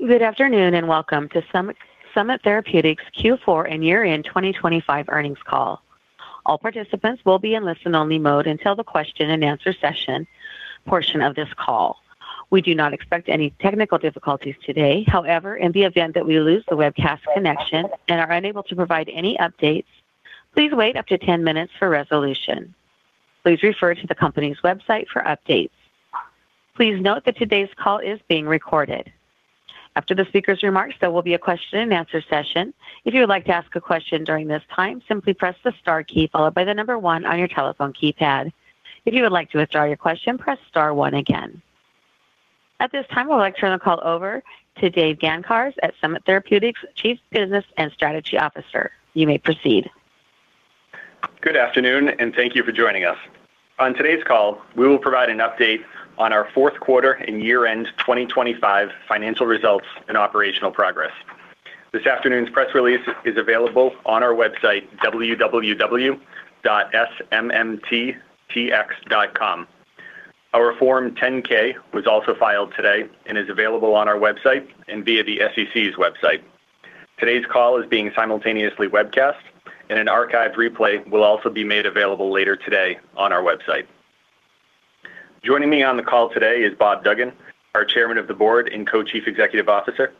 Good afternoon, welcome to Summit, Summit Therapeutics Q4 and Year-End 2025 Earnings Call. All participants will be in listen-only mode until the question and answer session portion of this call. We do not expect any technical difficulties today. However, in the event that we lose the webcast connection and are unable to provide any updates, please wait up to 10 minutes for resolution. Please refer to the company's website for updates. Please note that today's call is being recorded. After the speaker's remarks, there will be a question and answer session. If you would like to ask a question during this time, simply press the star key followed by the number one on your telephone keypad. If you would like to withdraw your question, press star one again. At this time, I would like to turn the call over to Dave Gancarz at Summit Therapeutics, Chief Business and Strategy Officer. You may proceed. Good afternoon, thank you for joining us. On today's call, we will provide an update on our Q4 and year-end 2025 financial results and operational progress. This afternoon's press release is available on our website, www.smmttx.com. Our Form 10-K was also filed today and is available on our website and via the SEC's website. Today's call is being simultaneously webcast, an archived replay will also be made available later today on our website. Joining me on the call today is Robert Duggan, our Chairman of the Board and Co-Chief Executive Officer,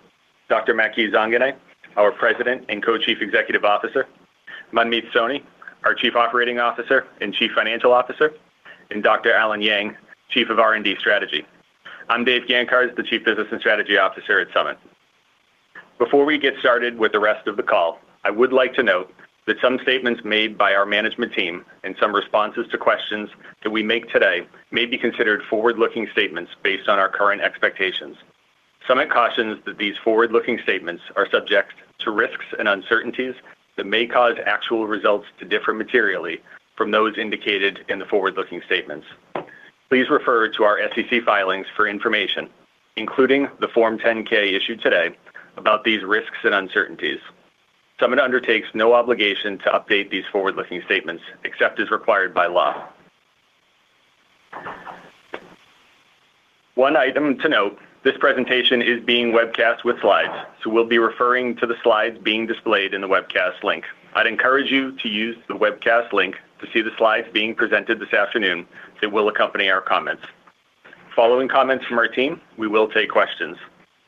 Dr. Maky Zangeneh, our President and Co-Chief Executive Officer, Manmeet Soni, our Chief Operating Officer and Chief Financial Officer, and Dr. Allen Yang, Chief of R&D Strategy. I'm Dave Gancarz, the Chief Business and Strategy Officer at Summit. Before we get started with the rest of the call, I would like to note that some statements made by our management team and some responses to questions that we make today may be considered forward-looking statements based on our current expectations. Summit cautions that these forward-looking statements are subject to risks and uncertainties that may cause actual results to differ materially from those indicated in the forward-looking statements. Please refer to our SEC filings for information, including the Form 10-K issued today, about these risks and uncertainties. Summit undertakes no obligation to update these forward-looking statements except as required by law. One item to note, this presentation is being webcast with slides. We'll be referring to the slides being displayed in the webcast link. I'd encourage you to use the webcast link to see the slides being presented this afternoon that will accompany our comments. Following comments from our team, we will take questions.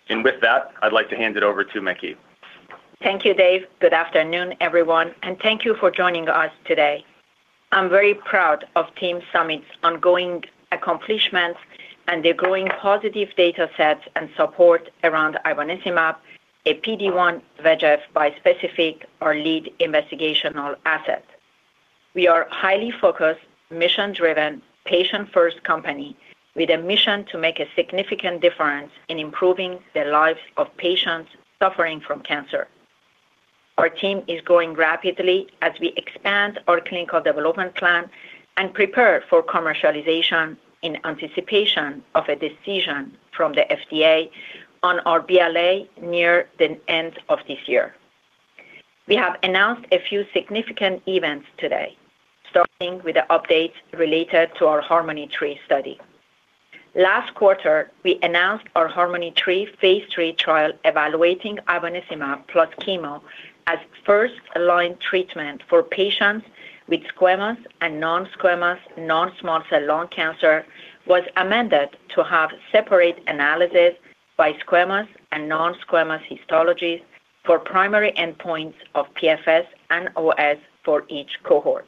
With that, I'd like to hand it over to Maky. Thank you, Dave. Good afternoon, everyone, and thank you for joining us today. I'm very proud of Team Summit's ongoing accomplishments and the growing positive data sets and support around Ivonescimab, a PD-1/VEGF bispecific, our lead investigational asset. We are a highly focused, mission-driven, patient-first company with a mission to make a significant difference in improving the lives of patients suffering from cancer. Our team is growing rapidly as we expand our clinical development plan and prepare for commercialization in anticipation of a decision from the FDA on our BLA near the end of this year. We have announced a few significant events today, starting with the update related to our HARMONi-3 study. Last quarter, we announced our HARMONi-3 phase III trial evaluating Ivonescimab plus chemo as first-line treatment for patients with squamous and non-squamous, non-small cell lung cancer, was amended to have separate analysis by squamous and non-squamous histologies for primary endpoints of PFS and OS for each cohort.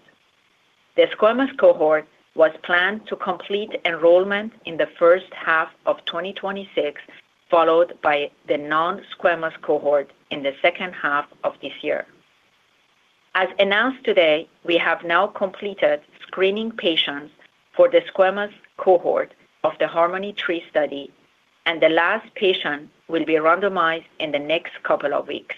The squamous cohort was planned to complete enrollment in the first half of 2026, followed by the non-squamous cohort in the second half of this year. As announced today, we have now completed screening patients for the squamous cohort of the HARMONi-3 study, and the last patient will be randomized in the next couple of weeks.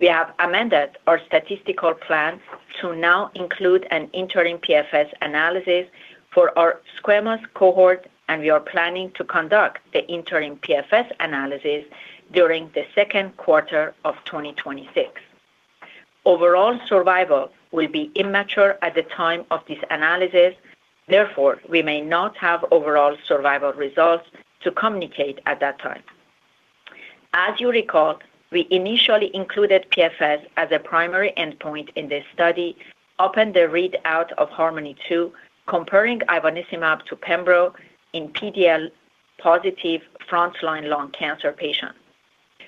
We have amended our statistical plans to now include an interim PFS analysis for our squamous cohort, and we are planning to conduct the interim PFS analysis during the Q2 of 2026. Overall survival will be immature at the time of this analysis. Therefore, we may not have overall survival results to communicate at that time. As you recall, we initially included PFS as a primary endpoint in this study upon the readout of HARMONi-2, comparing Ivonescimab to pembro in PD-L1 positive frontline lung cancer patients,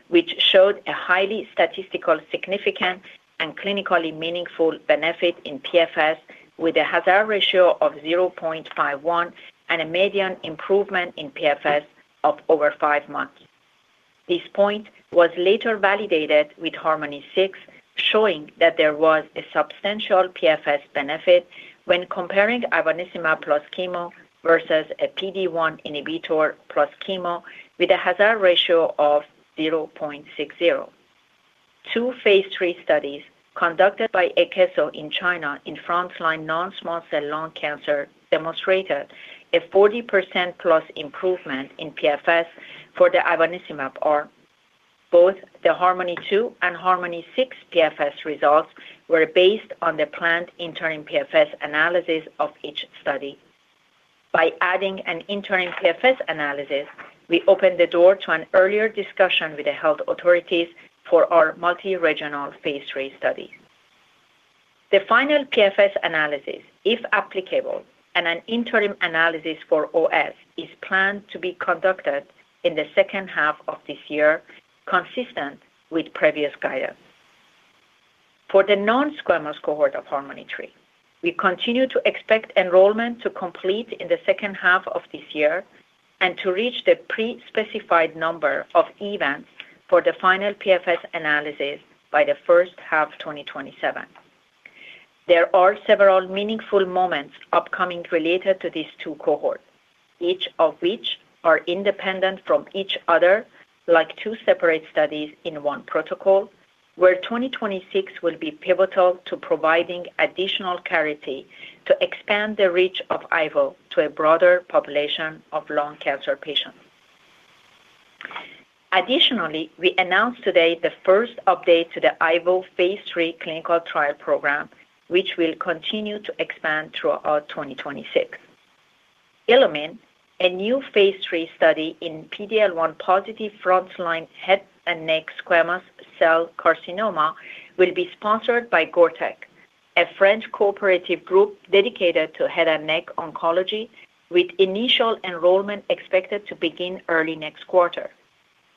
which showed a highly statistical significant and clinically meaningful benefit in PFS with a hazard ratio of 0.51 and a median improvement in PFS of over 5 months. This point was later validated with HARMONi-6, showing that there was a substantial PFS benefit when comparing Ivonescimab plus chemo versus a PD-1 inhibitor plus chemo with a hazard ratio of 0.60. Two phase III studies conducted by Akeso in China in frontline non-small cell lung cancer demonstrated a 40%+ improvement in PFS for the Ivonescimab, or both the HARMONi-2 and HARMONi-6 PFS results were based on the planned interim PFS analysis of each study. By adding an interim PFS analysis, we opened the door to an earlier discussion with the health authorities for our multi-regional phase III study. The final PFS analysis, if applicable, and an interim analysis for OS, is planned to be conducted in the second half of this year, consistent with previous guidance. For the non-squamous cohort of HARMONi-3, we continue to expect enrollment to complete in the second half of this year and to reach the pre-specified number of events for the final PFS analysis by the first half of 2027. There are several meaningful moments upcoming related to these two cohorts, each of which are independent from each other, like two separate studies in one protocol, where 2026 will be pivotal to providing additional clarity to expand the reach of Ivo to a broader population of lung cancer patients. Additionally, we announced today the first update to the Ivo phase III clinical trial program, which will continue to expand throughout 2026. ILLUMINE, a new phase III study in PD-L1 positive frontline head and neck squamous cell carcinoma, will be sponsored by GORTEC, a French cooperative group dedicated to head and neck oncology, with initial enrollment expected to begin early next quarter.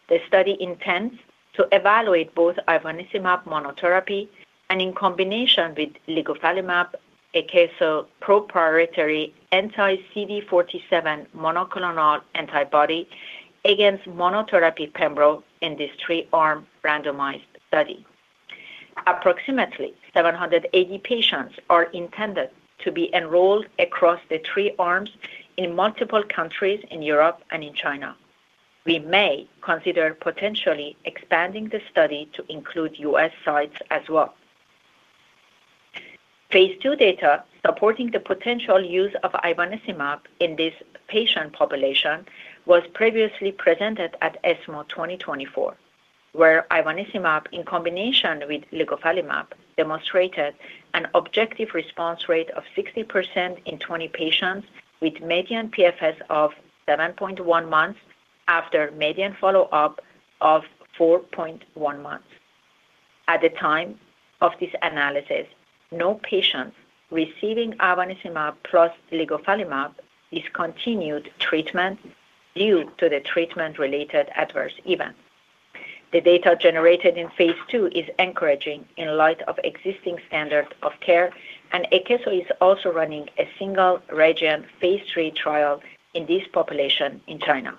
The study intends to evaluate both Ivonescimab monotherapy and in combination with Ligufalimab, a case of proprietary anti-CD47 monoclonal antibody against monotherapy pembro in this 3-arm randomized study. Approximately 780 patients are intended to be enrolled across the three arms in multiple countries in Europe and in China. We may consider potentially expanding the study to include U.S. sites as well. phase II data supporting the potential use of Ivonescimab in this patient population was previously presented at ESMO 2024, where Ivonescimab, in combination with Ligufalimab, demonstrated an objective response rate of 60% in 20 patients, with median PFS of 7.1 months after median follow-up of 4.1 months. At the time of this analysis, no patients receiving Ivonescimab plus Ligufalimab discontinued treatment due to the treatment-related adverse events. The data generated in phase II is encouraging in light of existing standard of care, Akeso is also running a single-region phase III trial in this population in China.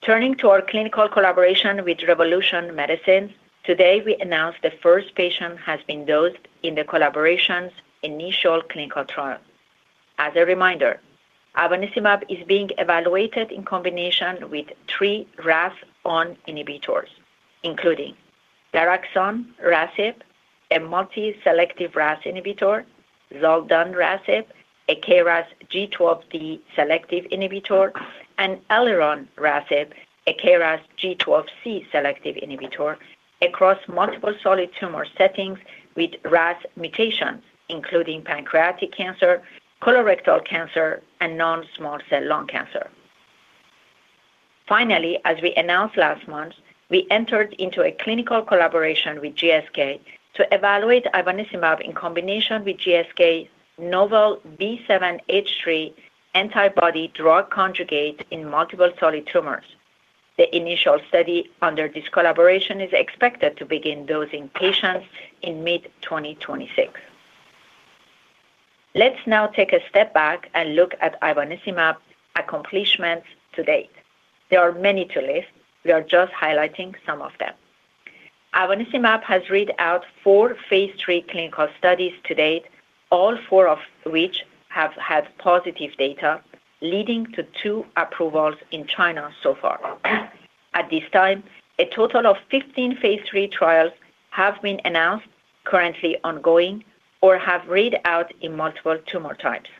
Turning to our clinical collaboration with Revolution Medicines, today, we announced the first patient has been dosed in the collaboration's initial clinical trial. As a reminder, Ivonescimab is being evaluated in combination with three RAS(ON) inhibitors, including daraxonrasib, a multi-selective RAS inhibitor, zoldonrasib, a KRAS G12D selective inhibitor, and elironrasib, a KRAS G12C selective inhibitor, across multiple solid tumor settings with RAS mutations, including pancreatic cancer, colorectal cancer, and non-small cell lung cancer. Finally, as we announced last month, we entered into a clinical collaboration with GSK to evaluate Ivonescimab in combination with GSK's novel B7-H3 antibody-drug conjugate in multiple solid tumors. The initial study under this collaboration is expected to begin dosing patients in mid-2026. Let's now take a step back and look at Ivonescimab accomplishments to date. There are many to list. We are just highlighting some of them. Ivonescimab has read out four phase III clinical studies to date, all four of which have had positive data, leading to two approvals in China so far. At this time, a total of 15 phase III trials have been announced, currently ongoing, or have read out in multiple tumor types.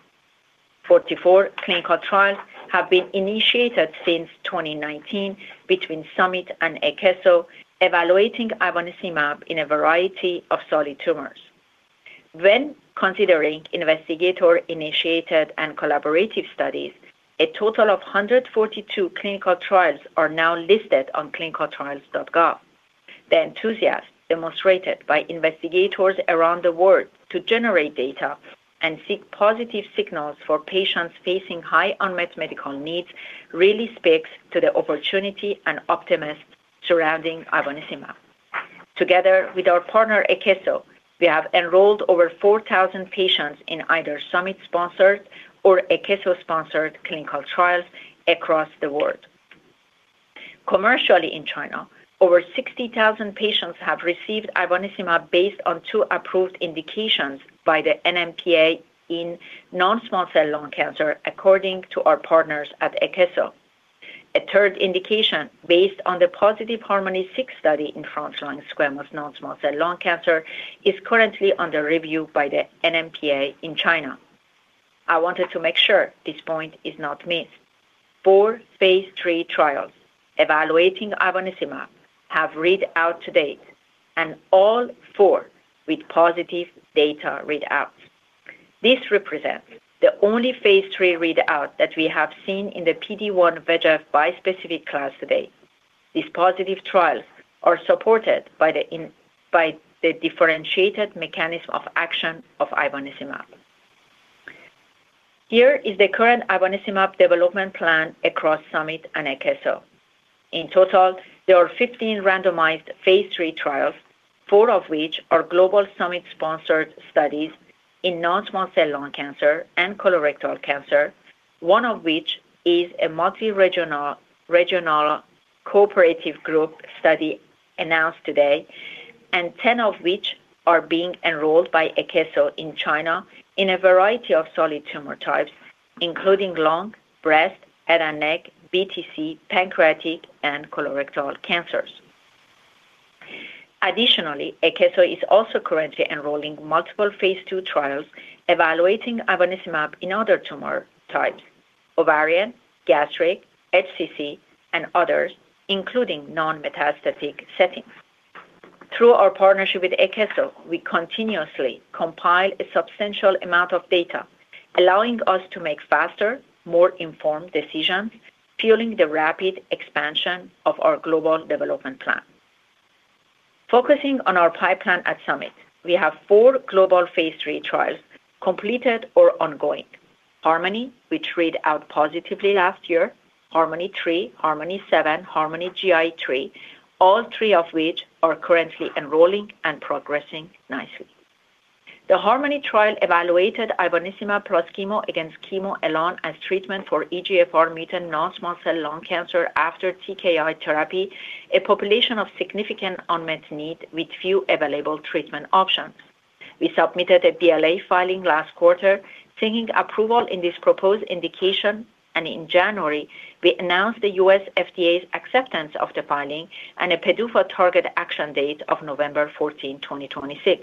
44 clinical trials have been initiated since 2019 between Summit and Akeso, evaluating Ivonescimab in a variety of solid tumors. When considering investigator-initiated and collaborative studies, a total of 142 clinical trials are now listed on ClinicalTrials.gov. The enthusiasm demonstrated by investigators around the world to generate data and seek positive signals for patients facing high unmet medical needs really speaks to the opportunity and optimism surrounding Ivonescimab. Together with our partner, Akeso, we have enrolled over 4,000 patients in either Summit-sponsored or Akeso-sponsored clinical trials across the world. Commercially, in China, over 60,000 patients have received Ivonescimab based on 2 approved indications by the NMPA in non-small cell lung cancer, according to our partners at Akeso. A third indication, based on the positive HARMONi-6 study in frontline squamous non-small cell lung cancer, is currently under review by the NMPA in China. I wanted to make sure this point is not missed. 4 phase III trials evaluating Ivonescimab have read out to date, and all 4 with positive data readouts. This represents the only phase III readout that we have seen in the PD-1/VEGF bispecific class to date. These positive trials are supported by the differentiated mechanism of action of Ivonescimab. Here is the current Ivonescimab development plan across Summit and Akeso. In total, there are 15 randomized phase III trials, 4 of which are global Summit-sponsored studies in non-small cell lung cancer and colorectal cancer, 1 of which is a multi-regional, regional cooperative group study announced today, and 10 of which are being enrolled by Akeso in China in a variety of solid tumor types, including lung, breast, head and neck, BTC, pancreatic, and colorectal cancers. Additionally, Akeso is also currently enrolling multiple phase II trials evaluating Ivonescimab in other tumor types: ovarian, gastric, HCC, and others, including non-metastatic settings. Through our partnership with Akeso, we continuously compile a substantial amount of data, allowing us to make faster, more informed decisions, fueling the rapid expansion of our global development plan. Focusing on our pipeline at Summit, we have 4 global phase III trials completed or ongoing. HARMONi, which read out positively last year, HARMONi-3, HARMONi-7, HARMONi-GI3, all three of which are currently enrolling and progressing nicely. The HARMONi trial evaluated Ivonescimab plus chemo against chemo-alone as treatment for eGFR mutant non-small cell lung cancer after TKI therapy, a population of significant unmet need with few available treatment options. We submitted a BLA filing last quarter, seeking approval in this proposed indication, and in January, we announced the U.S. FDA's acceptance of the filing and a PDUFA target action date of November 14th, 2026.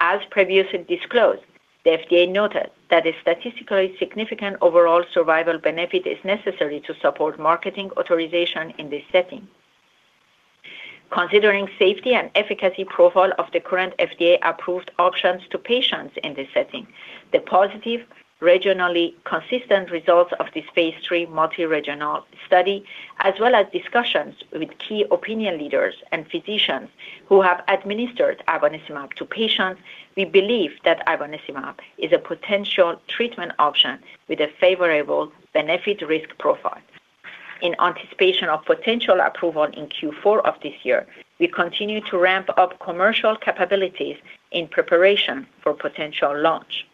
As previously disclosed, the FDA noted that a statistically significant overall survival benefit is necessary to support marketing authorization in this setting. Considering safety and efficacy profile of the current FDA-approved options to patients in this setting, the positive, regionally consistent results of this phase III multi-regional study, as well as discussions with Key Opinion Leaders and physicians who have administered Ivonescimab to patients, we believe that Ivonescimab is a potential treatment option with a favorable benefit-risk profile. In anticipation of potential approval in Q4 of this year, we continue to ramp up commercial capabilities in preparation for potential launch.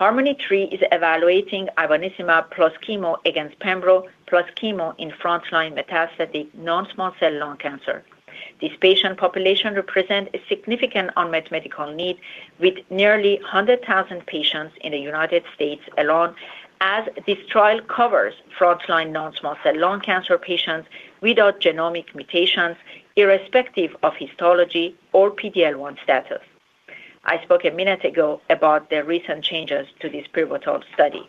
HARMONi-3 is evaluating Ivonescimab plus chemo against pembro plus chemo in frontline metastatic non-small cell lung cancer. This patient population represent a significant unmet medical need with nearly 100,000 patients in the United States alone, as this trial covers frontline non-small cell lung cancer patients without genomic mutations, irrespective of histology or PD-L1 status. I spoke a minute ago about the recent changes to this pivotal study.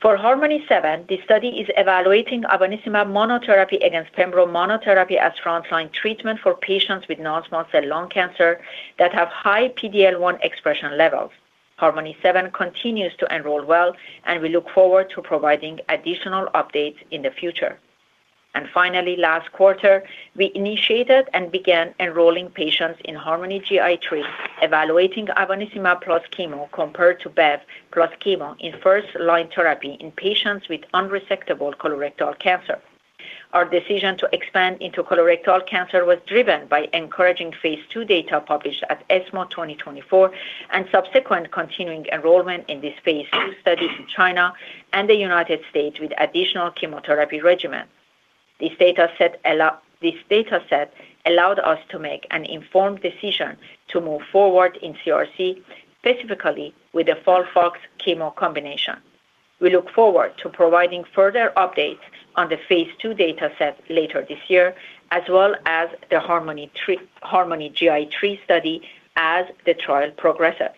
For HARMONi-7, the study is evaluating Ivonescimab monotherapy against pembro monotherapy as frontline treatment for patients with non-small cell lung cancer that have high PD-L1 expression levels. HARMONi-7 continues to enroll well, and we look forward to providing additional updates in the future. Finally, last quarter, we initiated and began enrolling patients in HARMONi-GI3, evaluating Ivonescimab plus chemo compared to bev plus chemo in first-line therapy in patients with unresectable colorectal cancer. Our decision to expand into colorectal cancer was driven by encouraging phase II data published at ESMO 2024 and subsequent continuing enrollment in this phase II study to China and the United States with additional chemotherapy regimens. This data set allowed us to make an informed decision to move forward in CRC, specifically with the FOLFOX chemo combination. We look forward to providing further updates on the phase II data set later this year, as well as the HARMONi-3, HARMONi-GI3 study as the trial progresses.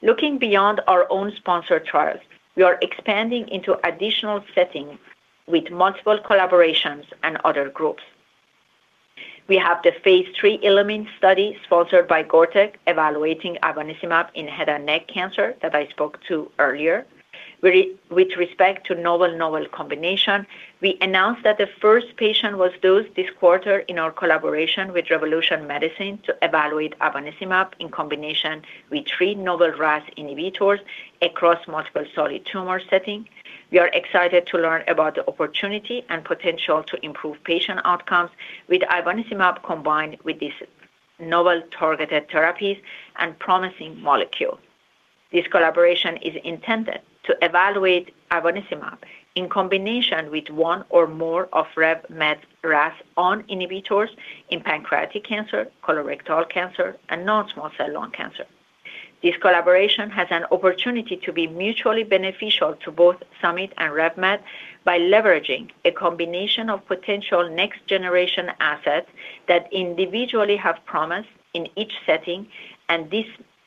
Looking beyond our own sponsored trials, we are expanding into additional settings with multiple collaborations and other groups. We have the phase III ILLUMINE study, sponsored by GORTEC, evaluating Ivonescimab in head and neck cancer that I spoke to earlier. With respect to novel-novel combination, we announced that the first patient was dosed this quarter in our collaboration with Revolution Medicines to evaluate Ivonescimab in combination with 3 novel RAS inhibitors across multiple solid tumor settings. We are excited to learn about the opportunity and potential to improve patient outcomes with Ivonescimab combined with these novel targeted therapies and promising molecule. This collaboration is intended to evaluate Ivonescimab in combination with one or more of RevMed RAS(ON) inhibitors in pancreatic cancer, colorectal cancer, and non-small cell lung cancer. This collaboration has an opportunity to be mutually beneficial to both Summit and RevMed by leveraging a combination of potential next-generation assets that individually have promise in each setting, and this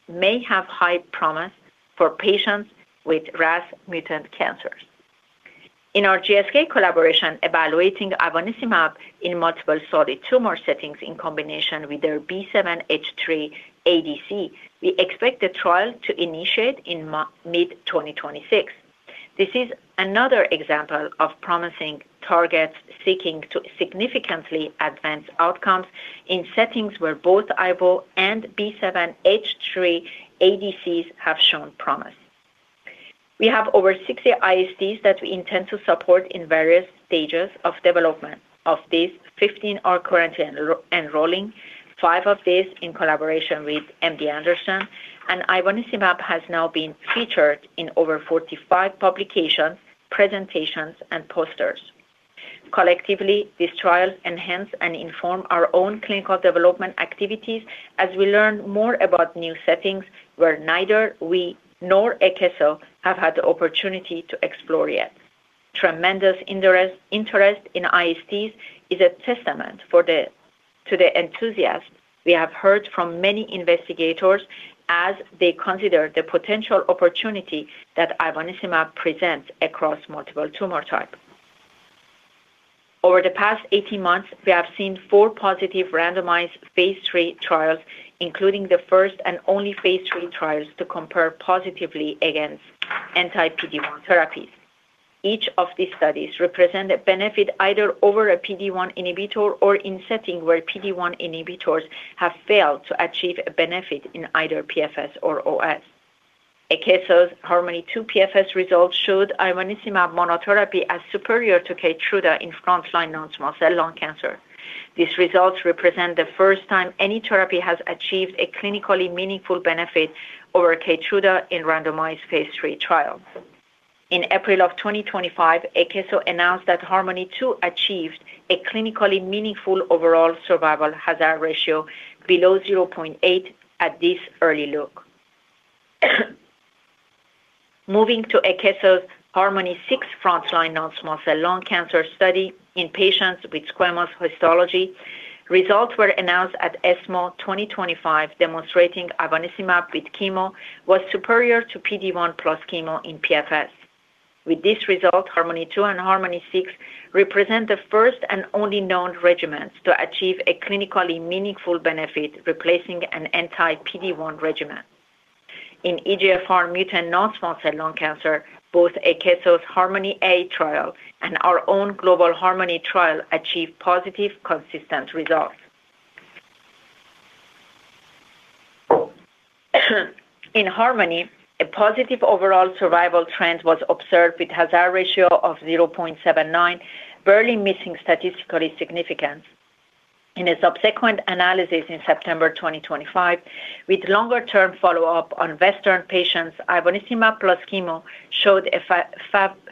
may have high promise for patients with RAS mutant cancers. In our GSK collaboration, evaluating Ivonescimab in multiple solid tumor settings in combination with their B7-H3 ADC, we expect the trial to initiate in mid-2026. This is another example of promising targets seeking to significantly advance outcomes in settings where both Ivo and B7-H3 ADCs have shown promise. We have over 60 ISTs that we intend to support in various stages of development. Of these, 15 are currently enrolling, 5 of these in collaboration with MD Anderson, and Ivonescimab has now been featured in over 45 publications, presentations, and posters. Collectively, these trials enhance and inform our own clinical development activities as we learn more about new settings where neither we nor Akeso have had the opportunity to explore yet. Tremendous interest, interest in ISTs is a testament to the enthusiasm we have heard from many investigators as they consider the potential opportunity that Ivonescimab presents across multiple tumor types. Over the past 18 months, we have seen 4 positive randomized phase III trials, including the first and only phase III trials to compare positively against anti-PD-1 therapies. Each of these studies represent a benefit either over a PD-1 inhibitor or in setting where PD-1 inhibitors have failed to achieve a benefit in either PFS or OS. Akeso's HARMONi-2 PFS results showed Ivonescimab monotherapy as superior to Keytruda in frontline non-small cell lung cancer. These results represent the first time any therapy has achieved a clinically meaningful benefit over Keytruda in randomized Phase III trials. In April of 2025, Akeso announced that HARMONi-2 achieved a clinically meaningful overall survival hazard ratio below 0.8 at this early look. Moving to Akeso's HARMONi-6 frontline non-small cell lung cancer study in patients with squamous histology, results were announced at ESMO 2025, demonstrating Ivonescimab with chemo was superior to PD-1 plus chemo in PFS. With this result, HARMONi-2 and HARMONi-6 represent the first and only known regimens to achieve a clinically meaningful benefit, replacing an anti-PD-1 regimen. In eGFR mutant non-small cell lung cancer, both Akeso's HARMONi-A trial and our own global HARMONi trial achieved positive, consistent results. In HARMONi, a positive overall survival trend was observed with hazard ratio of 0.79, barely missing statistical significance. In a subsequent analysis in September 2025, with longer-term follow-up on Western patients, Ivonescimab plus chemo showed a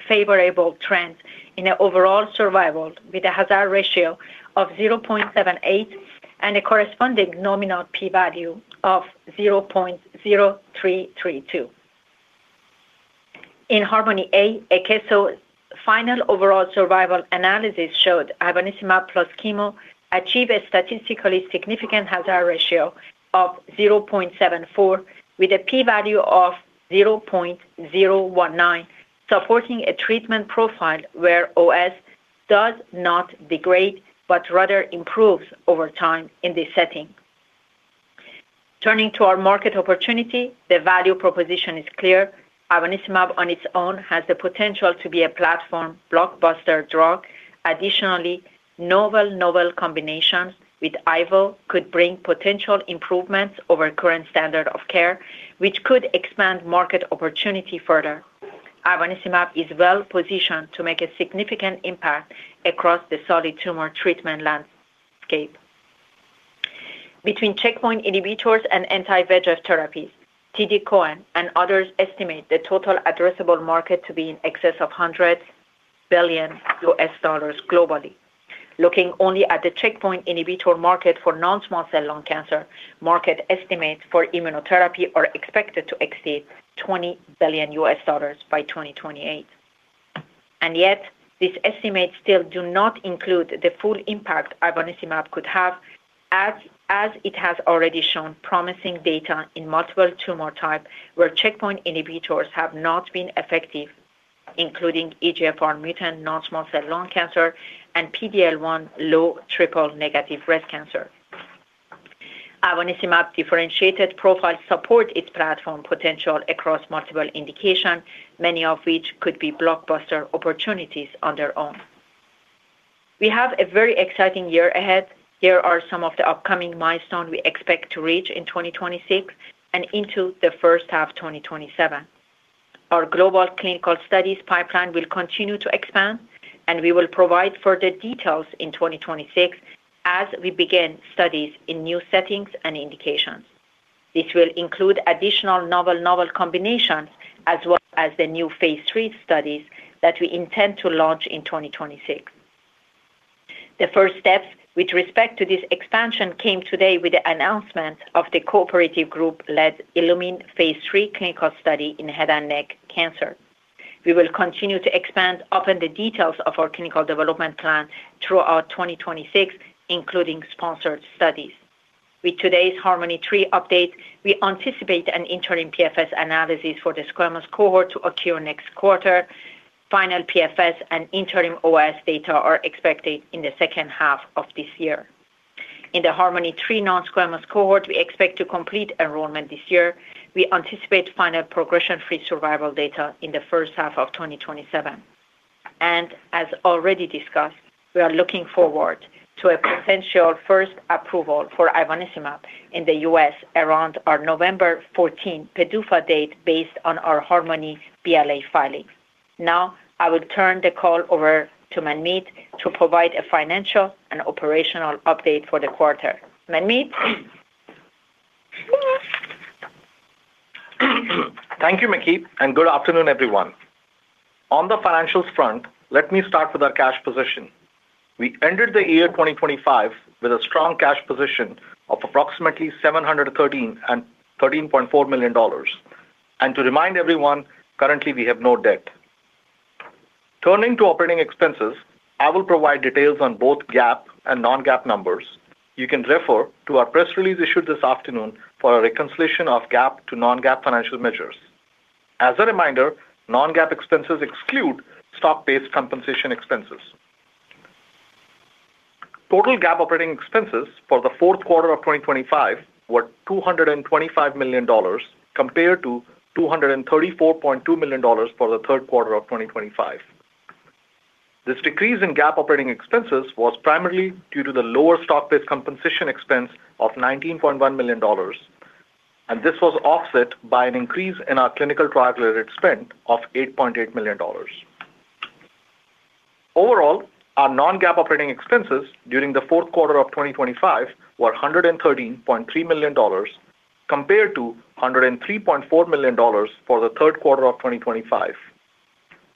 favorable trend in the overall survival, with a hazard ratio of 0.78 and a corresponding nominal p-value of 0.0332. In HARMONi-A, Akeso's final overall survival analysis showed Ivonescimab plus chemo achieve a statistically significant hazard ratio of 0.74, with a p-value of 0.019, supporting a treatment profile where OS does not degrade, but rather improves over time in this setting. Turning to our market opportunity, the value proposition is clear. Ivonescimab on its own has the potential to be a platform blockbuster drug. Additionally, novel, novel combinations with Ivo could bring potential improvements over current standard of care, which could expand market opportunity further. Ivonescimab is well positioned to make a significant impact across the solid tumor treatment landscape. Between checkpoint inhibitors and anti-VEGF therapies, TD Cowen and others estimate the total addressable market to be in excess of $100 billion globally. Yet, these estimates still do not include the full impact Ivonescimab could have as it has already shown promising data in multiple tumor types where checkpoint inhibitors have not been effective, including eGFR mutant non-small cell lung cancer and PD-L1 low triple-negative breast cancer. Ivonescimab differentiated profile support its platform potential across multiple indications, many of which could be blockbuster opportunities on their own. We have a very exciting year ahead. Here are some of the upcoming milestones we expect to reach in 2026 and into the first half of 2027. Our global clinical studies pipeline will continue to expand. We will provide further details in 2026 as we begin studies in new settings and indications. This will include additional novel, novel combinations, as well as the new phase III studies that we intend to launch in 2026. The first steps with respect to this expansion came today with the announcement of the cooperative group-led ILLUMINE-1 phase III clinical study in head and neck cancer. We will continue to expand upon the details of our clinical development plan throughout 2026, including sponsored studies. With today's HARMONi-3 update, we anticipate an interim PFS analysis for the squamous cohort to occur next quarter. Final PFS and interim OS data are expected in the second half of this year. In the HARMONi-3 non-squamous cohort, we expect to complete enrollment this year. We anticipate final progression-free survival data in the first half of 2027. As already discussed, we are looking forward to a potential first approval for Ivonescimab in the US around our November 14th PDUFA date based on our HARMONi BLA filing. Now, I will turn the call over to Manmeet to provide a financial and operational update for the quarter. Manmeet? Thank you, Maky. Good afternoon, everyone. On the financials front, let me start with our cash position. We ended the year 2025 with a strong cash position of approximately 713 and $13.4 million. To remind everyone, currently we have no debt. Turning to operating expenses, I will provide details on both GAAP and non-GAAP numbers. You can refer to our press release issued this afternoon for a reconciliation of GAAP to non-GAAP financial measures. As a reminder, non-GAAP expenses exclude stock-based compensation expenses. Total GAAP operating expenses for the Q4 of 2025 were $225 million, compared to $234.2 million for the Q3 of 2025. This decrease in GAAP operating expenses was primarily due to the lower stock-based compensation expense of $19.1 million. This was offset by an increase in our clinical trial-related spend of $8.8 million. Overall, our non-GAAP operating expenses during the Q4 of 2025 were $113.3 million, compared to $103.4 million for the Q3 of 2025.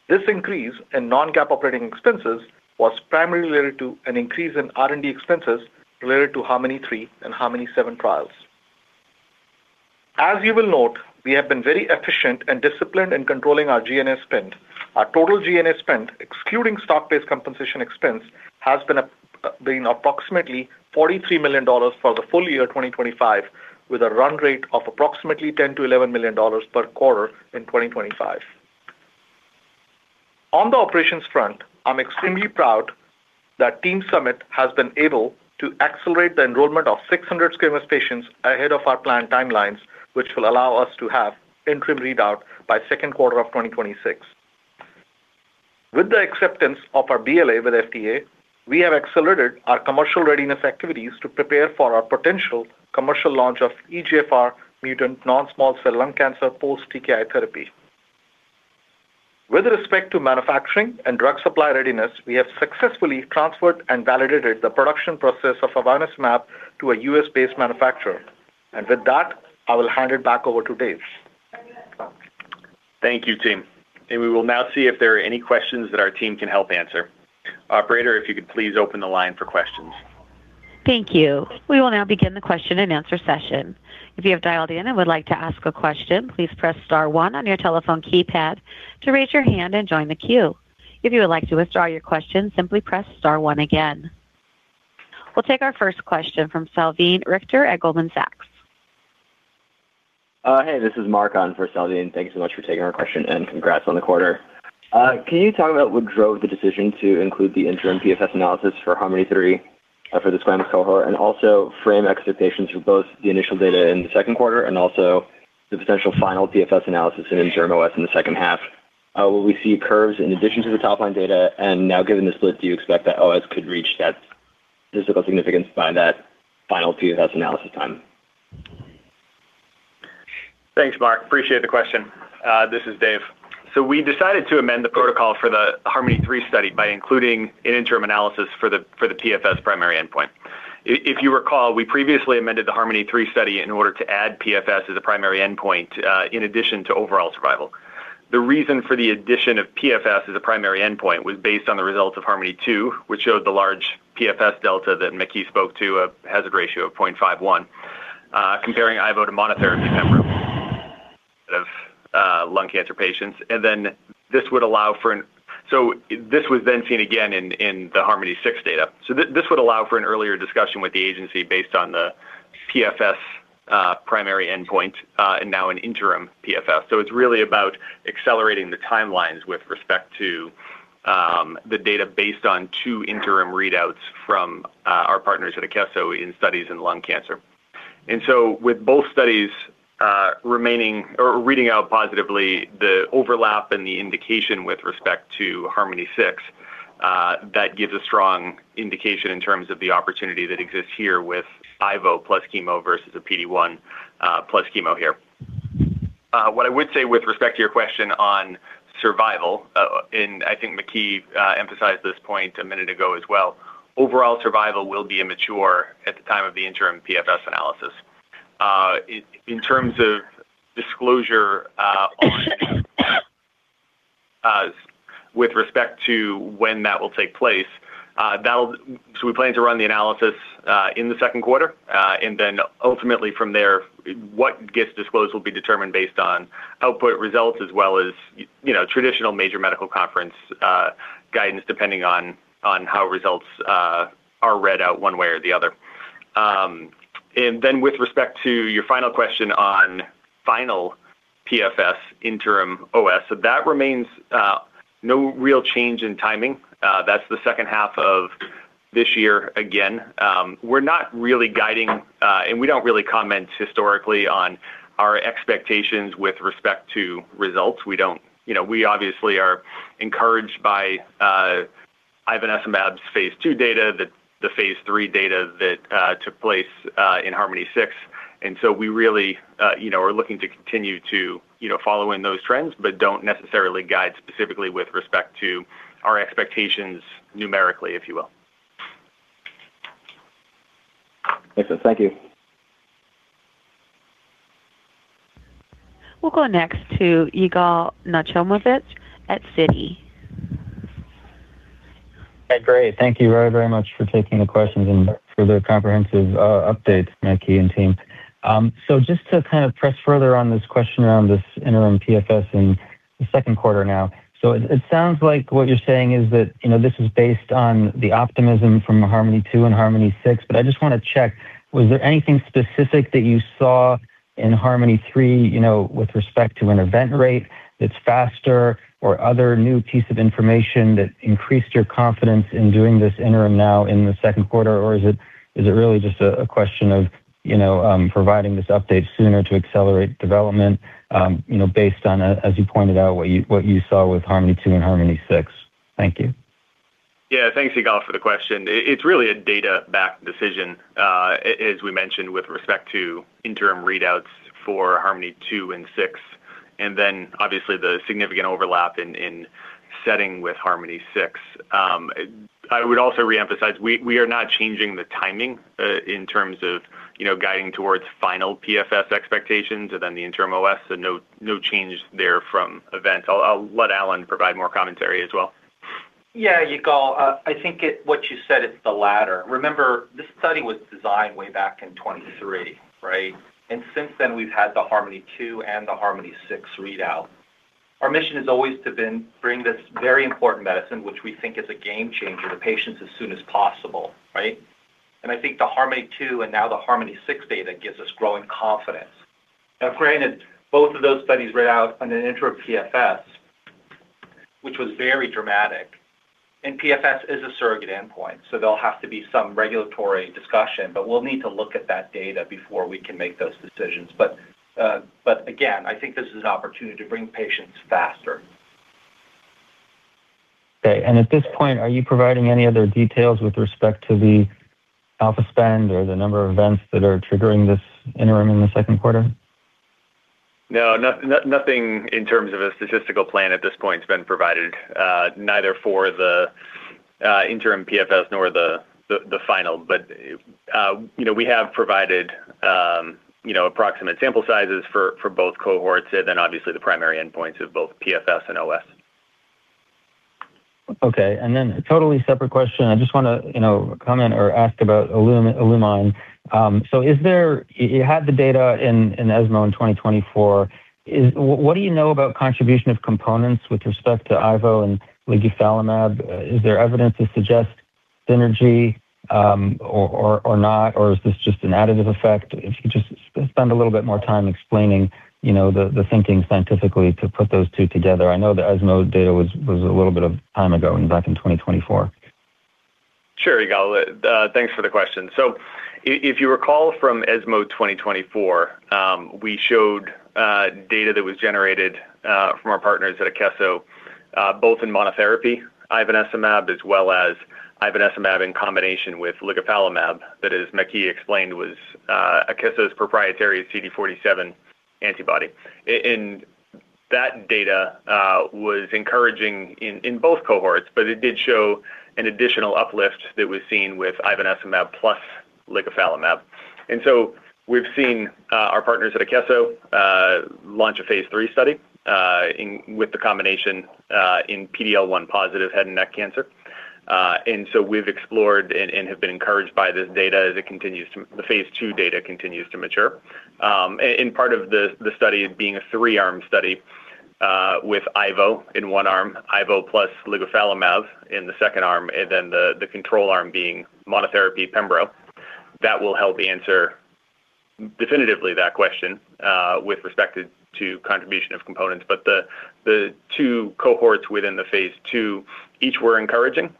This increase in non-GAAP operating expenses was primarily related to an increase in R&D expenses related to HARMONi-3 and HARMONi-7 trials. As you will note, we have been very efficient and disciplined in controlling our G&A spend. Our total GNS spend, excluding stock-based compensation expense, has been approximately $43 million for the full year 2025, with a run rate of approximately $10 million-$11 million per quarter in 2025. On the operations front, I'm extremely proud that Team Summit has been able to accelerate the enrollment of 600 squamous patients ahead of our planned timelines, which will allow us to have interim readout by Q2 of 2026. With the acceptance of our BLA with FDA, we have accelerated our commercial readiness activities to prepare for our potential commercial launch of eGFR mutant non-small cell lung cancer post-TKI therapy. With respect to manufacturing and drug supply readiness, we have successfully transferred and validated the production process of Ivonescimab to a US-based manufacturer. With that, I will hand it back over to Dave. Thank you, team. We will now see if there are any questions that our team can help answer. Operator, if you could please open the line for questions. Thank you. We will now begin the question and answer session. If you have dialed in and would like to ask a question, please press star one on your telephone keypad to raise your hand and join the queue. If you would like to withdraw your question, simply press star one again. We'll take our first question from Salveen Richter at Goldman Sachs. Hey, this is Mark on for Salveen. Thank you so much for taking our question, congrats on the quarter. Can you talk about what drove the decision to include the interim PFS analysis for HARMONi-3 for the squamous cohort, also frame expectations for both the initial data in the Q2 and the potential final PFS analysis and interim OS in the second half? Will we see curves in addition to the top-line data, now, given the split, do you expect that OS could reach that statistical significance by that final PFS analysis time? Thanks, Mark. Appreciate the question. This is Dave. We decided to amend the protocol for the HARMONi-3 study by including an interim analysis for the, for the PFS primary endpoint. If you recall, we previously amended the HARMONi-3 study in order to add PFS as a primary endpoint, in addition to overall survival. The reason for the addition of PFS as a primary endpoint was based on the results of HARMONi-2, which showed the large PFS delta that Maky spoke to, a hazard ratio of 0.51, comparing Ivo to monotherapy member of lung cancer patients. This was then seen again in, in the HARMONi-6 data. This would allow for an earlier discussion with the agency based on the PFS primary endpoint, and now an interim PFS. It's really about accelerating the timelines with respect to the data based on two interim readouts from our partners at Akeso in studies in lung cancer. With both studies remaining or reading out positively, the overlap and the indication with respect to HARMONi-6 that gives a strong indication in terms of the opportunity that exists here with Ivo plus chemo versus a PD-1 plus chemo here. What I would say with respect to your question on survival, and I think Maky emphasized this point a minute ago as well, overall survival will be immature at the time of the interim PFS analysis. In terms of disclosure, with respect to when that will take place, we plan to run the analysis in the Q2, and then ultimately from there, what gets disclosed will be determined based on output results as well as, you know, traditional major medical conference guidance, depending on how results are read out one way or the other. With respect to your final question on final PFS interim OS, that remains no real change in timing. That's the second half of this year. Again, we're not really guiding, and we don't really comment historically on our expectations with respect to results. You know, we obviously are encouraged by Ivonescimab's phase II data, that the phase III data that took place in HARMONi-6, and so we really, you know, are looking to continue to, you know, follow in those trends, but don't necessarily guide specifically with respect to our expectations numerically, if you will. Excellent. Thank you. We'll go next to Yigal Nochomovitz at Citigroup. Hey, great. Thank you very, very much for taking the questions and for the comprehensive, update, Maky and team. Just to kind of press further on this question around this interim PFS in the Q2 now. It, it sounds like what you're saying is that, you know, this is based on the optimism from HARMONi-2 and HARMONi-6, but I just want to check, was there anything specific that you saw in HARMONi-3, you know, with respect to an event rate that's faster or other new piece of information that increased your confidence in doing this interim now in the Q2? Or is it, is it really just a, a question of, you know, providing this update sooner to accelerate development, you know, based on, as you pointed out, what you, what you saw with HARMONi-2 and HARMONi-6? Thank you. Yeah. Thanks, Yigal, for the question. It, it's really a data-backed decision, as we mentioned with respect to interim readouts for HARMONi-2 and 6, and then obviously the significant overlap in, in setting with HARMONi-6. I would also reemphasize, we, we are not changing the timing, in terms of, you know, guiding towards final PFS expectations and then the interim OS, so no, no change there from events. I'll, I'll let Allen provide more commentary as well. Yeah, Yigal, I think what you said, it's the latter. Remember, this study was designed way back in 2023, right? Since then, we've had the HARMONi-2 and the HARMONi-6 readout. Our mission has always to been, bring this very important medicine, which we think is a game changer, to patients as soon as possible, right? I think the HARMONi-2, and now the HARMONi-6 data gives us growing confidence. Granted, both of those studies read out on an interim PFS, which was very dramatic, and PFS is a surrogate endpoint, so there'll have to be some regulatory discussion, but we'll need to look at that data before we can make those decisions. But again, I think this is an opportunity to bring patients faster. Okay. At this point, are you providing any other details with respect to the alpha spend or the number of events that are triggering this interim in the Q2? No, nothing in terms of a statistical plan at this point has been provided, neither for the interim PFS nor the final. You know, we have provided, you know, approximate sample sizes for both cohorts and then obviously the primary endpoints of both PFS and OS. Okay. A totally separate question. I just want to, you know, comment or ask about Ivonescimab. You had the data in, in ESMO in 2024. What do you know about contribution of components with respect to Ivonescimab and Ligufalimab? Is there evidence to suggest synergy, or, or, or not? Is this just an additive effect? If you could just spend a little bit more time explaining, you know, the, the thinking scientifically to put those two together. I know the ESMO data was, was a little bit of time ago, and back in 2024. Sure, Yigal. Thanks for the question. If you recall from ESMO 2024, we showed data that was generated from our partners at Akeso, both in monotherapy, Ivonescimab, as well as Ivonescimab in combination with Ligufalimab, that, as Maky explained, was Akeso's proprietary CD47 antibody. That data was encouraging in both cohorts, but it did show an additional uplift that was seen with Ivonescimab plus Ligufalimab. We've seen our partners at Akeso launch a phase III study with the combination in PD-L1 positive head and neck cancer. We've explored and have been encouraged by this data as it continues the phase II data continues to mature. Part of the, the study being a three-arm study, with Ivo in one arm, Ivo plus Ligufalimab in the second arm, and then the, the control arm being monotherapy pembro. That will help answer definitively that question, with respect to, to contribution of components. The, the two cohorts within the phase II each were encouraging,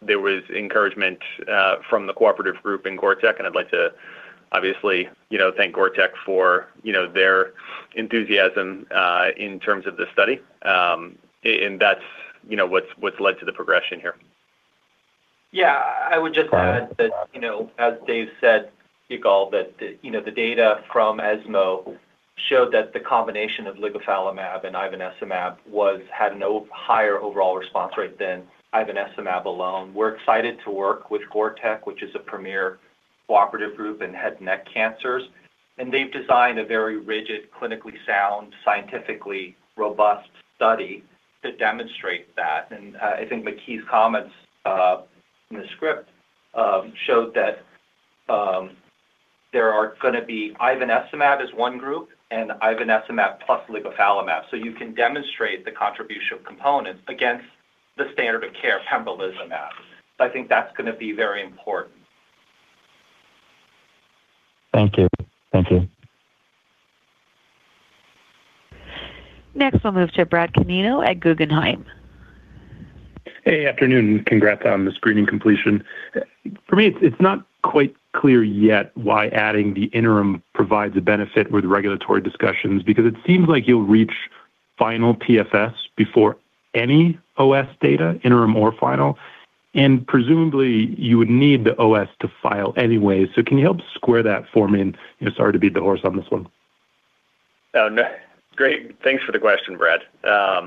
there was encouragement from the cooperative group in GORTEC, and I'd like to obviously, you know, thank GORTEC for, you know, their enthusiasm in terms of the study. That's, you know, what's, what's led to the progression here. Yeah, I would just add that, as Dave said, Yigal, that the data from ESMO showed that the combination of Ligufalimab and Ivonescimab was had no higher overall response rate than Ivonescimab alone. We're excited to work with GORTEC, which is a premier cooperative group in head and neck cancers, they've designed a very rigid, clinically sound, scientifically robust study to demonstrate that. I think Maky's comments in the script showed that. There are going to be Ivonescimab as one group and Ivonescimab plus Ligufalimab. You can demonstrate the contribution of components against the standard of care, pembrolizumab. I think that's going to be very important. Thank you. Thank you. Next, we'll move to Brad Canino at Guggenheim. Hey, afternoon. Congrats on the screening completion. For me, it's not quite clear yet why adding the interim provides a benefit with regulatory discussions, because it seems like you'll reach final PFS before any OS data, interim or final, and presumably you would need the OS to file anyway. Can you help square that for me? Sorry to beat the horse on this one. Great. Thanks for the question, Brad. I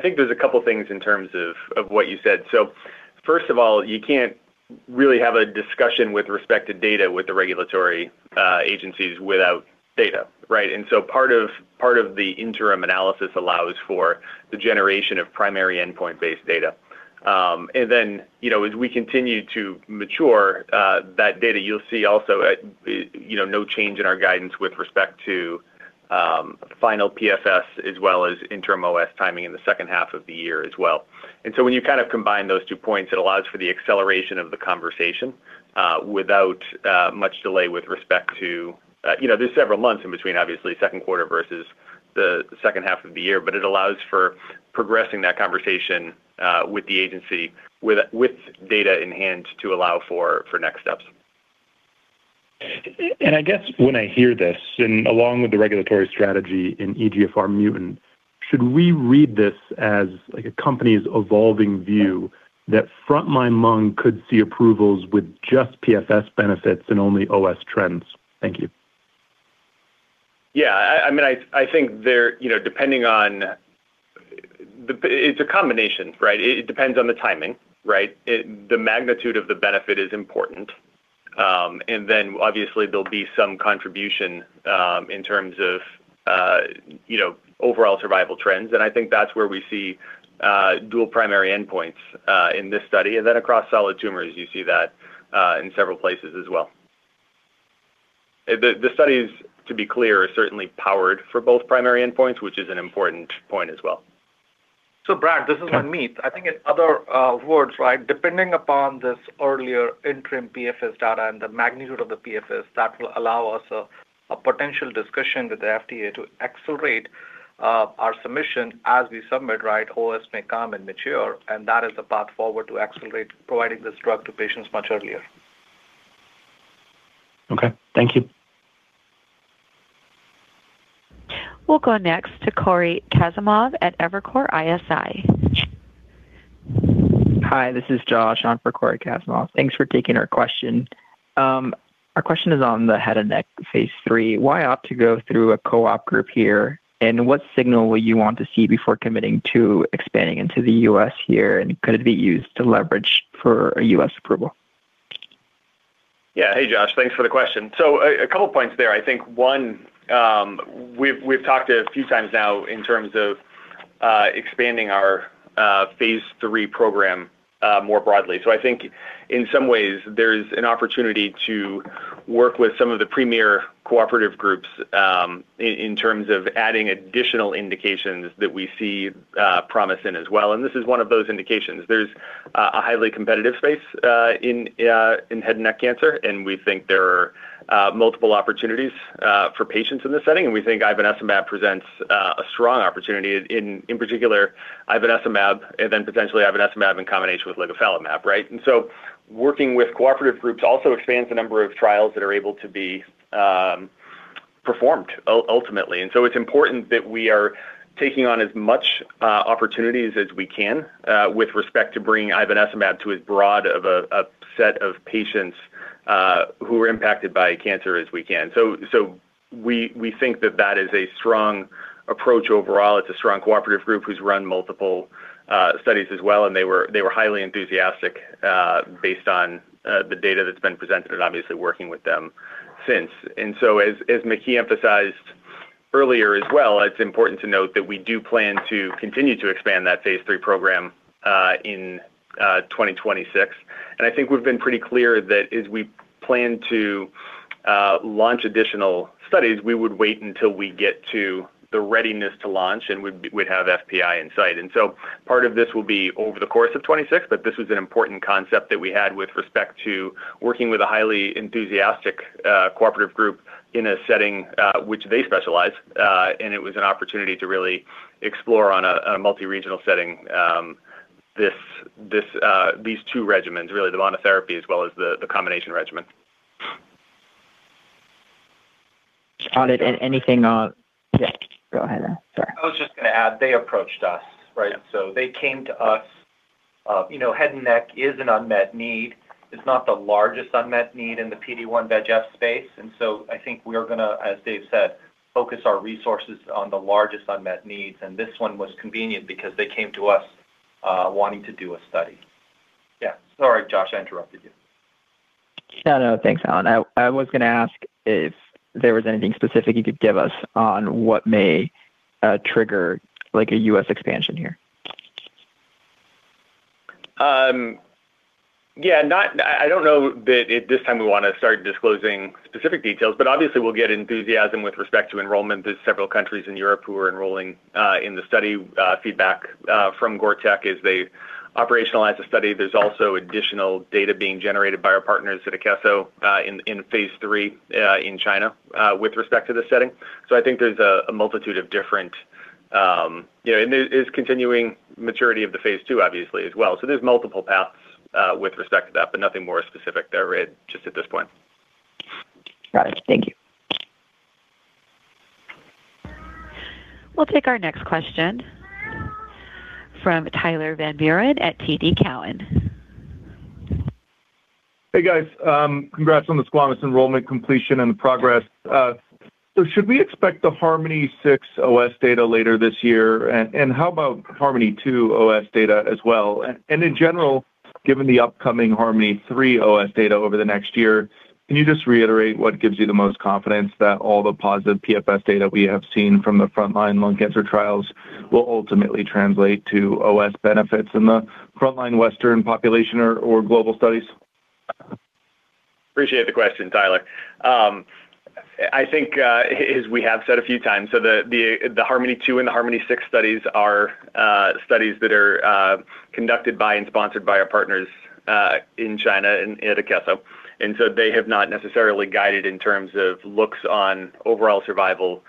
think there's a couple of things in terms of what you said. First of all, you can't really have a discussion with respect to data with the regulatory agencies without data, right? Part of, part of the interim analysis allows for the generation of primary endpoint-based data. You know, as we continue to mature that data, you'll see also at, you know, no change in our guidance with respect to final PFS as well as interim OS timing in the second half of the year as well. When you kind of combine those two points, it allows for the acceleration of the conversation, without much delay, you know, there's several months in between, obviously, Q2 versus the second half of the year, but it allows for progressing that conversation, with the agency, with data in hand to allow for next steps. I guess when I hear this, and along with the regulatory strategy in eGFR mutant, should we read this as like a company's evolving view that front-line lung could see approvals with just PFS benefits and only OS trends? Thank you. Yeah, I, I mean, I, I think there, you know, it's a combination, right? It, it depends on the timing, right? It, the magnitude of the benefit is important, and then obviously there'll be some contribution, in terms of, you know, overall survival trends, and I think that's where we see, dual primary endpoints, in this study, and then across solid tumors, you see that, in several places as well. The, the studies, to be clear, are certainly powered for both primary endpoints, which is an important point as well. Brad, this is Manmeet. I think in other words, right, depending upon this earlier interim PFS data and the magnitude of the PFS, that will allow us a potential discussion with the FDA to accelerate our submission as we submit, right. OS may come and mature, and that is the path forward to accelerate providing this drug to patients much earlier. Okay, thank you. We'll go next to Cory Kasimov at Evercore ISI. Hi, this is Josh on for Cory Kasimov. Thanks for taking our question. Our question is on the head and neck phase III. Why opt to go through a co-op group here, and what signal will you want to see before committing to expanding into the U.S. here, and could it be used to leverage for a U.S. approval? Yeah. Hey, Josh, thanks for the question. A couple of points there. I think one, we've, we've talked a few times now in terms of expanding our phase III program more broadly. I think in some ways there's an opportunity to work with some of the premier cooperative groups in terms of adding additional indications that we see promise in as well. This is one of those indications. There's a highly competitive space in head and neck cancer, and we think there are multiple opportunities for patients in this setting, and we think Ivonescimab presents a strong opportunity in, in particular, Ivonescimab, and then potentially Ivonescimab in combination with Ligufalimab, right? Working with cooperative groups also expands the number of trials that are able to be performed ultimately. It's important that we are taking on as much opportunities as we can with respect to bringing Ivonescimab to as broad of a set of patients who are impacted by cancer as we can. We, we think that that is a strong approach overall. It's a strong cooperative group who's run multiple studies as well, and they were, they were highly enthusiastic based on the data that's been presented and obviously working with them since. As, as Maky emphasized earlier as well, it's important to note that we do plan to continue to expand that phase III program in 2026. I think we've been pretty clear that as we plan to launch additional studies, we would wait until we get to the readiness to launch, and we'd have FPI in sight. Part of this will be over the course of 2026, but this was an important concept that we had with respect to working with a highly enthusiastic cooperative group in a setting which they specialize, and it was an opportunity to really explore on a multi-regional setting, these two regimens, really, the monotherapy as well as the combination regimen. On it, anything, yeah, go ahead. Sorry. I was just gonna add, they approached us, right? They came to us. You know, head and neck is an unmet need. It's not the largest unmet need in the PD-1/VEGF space, I think we are gonna, as Dave said, focus our resources on the largest unmet needs, and this one was convenient because they came to us, wanting to do a study. Yeah. Sorry, Josh, I interrupted you. No, no, thanks, Allen. I, I was gonna ask if there was anything specific you could give us on what may trigger like a U.S. expansion here? Yeah, not, I, I don't know that at this time we want to start disclosing specific details, but obviously we'll get enthusiasm with respect to enrollment. There's several countries in Europe who are enrolling in the study. Feedback from GORTEC as they operationalize the study. There's also additional data being generated by our parpners at Akeso in phase III in China with respect to the setting. I think there's a multitude of different... You know, and there is continuing maturity of the Phase II, obviously, as well. There's multiple paths with respect to that, but nothing more specific there, Red, just at this point. Got it. Thank you. We'll take our next question from Tyler Van Buren at TD Cowen. Hey, guys. Congrats on the squamous enrollment completion and the progress. Should we expect the HARMONi-6 OS data later this year? How about HARMONi-2 OS data as well? In general, given the upcoming HARMONi-3 OS data over the next year, can you just reiterate what gives you the most confidence that all the positive PFS data we have seen from the frontline lung cancer trials will ultimately translate to OS benefits in the frontline Western population or, or global studies? Appreciate the question, Tyler. I think, as we have said a few times, the HARMONi-2 and the HARMONi-6 studies are studies that are conducted by and sponsored by our partners in China and at Akeso. They have not necessarily guided in terms of looks on overall survival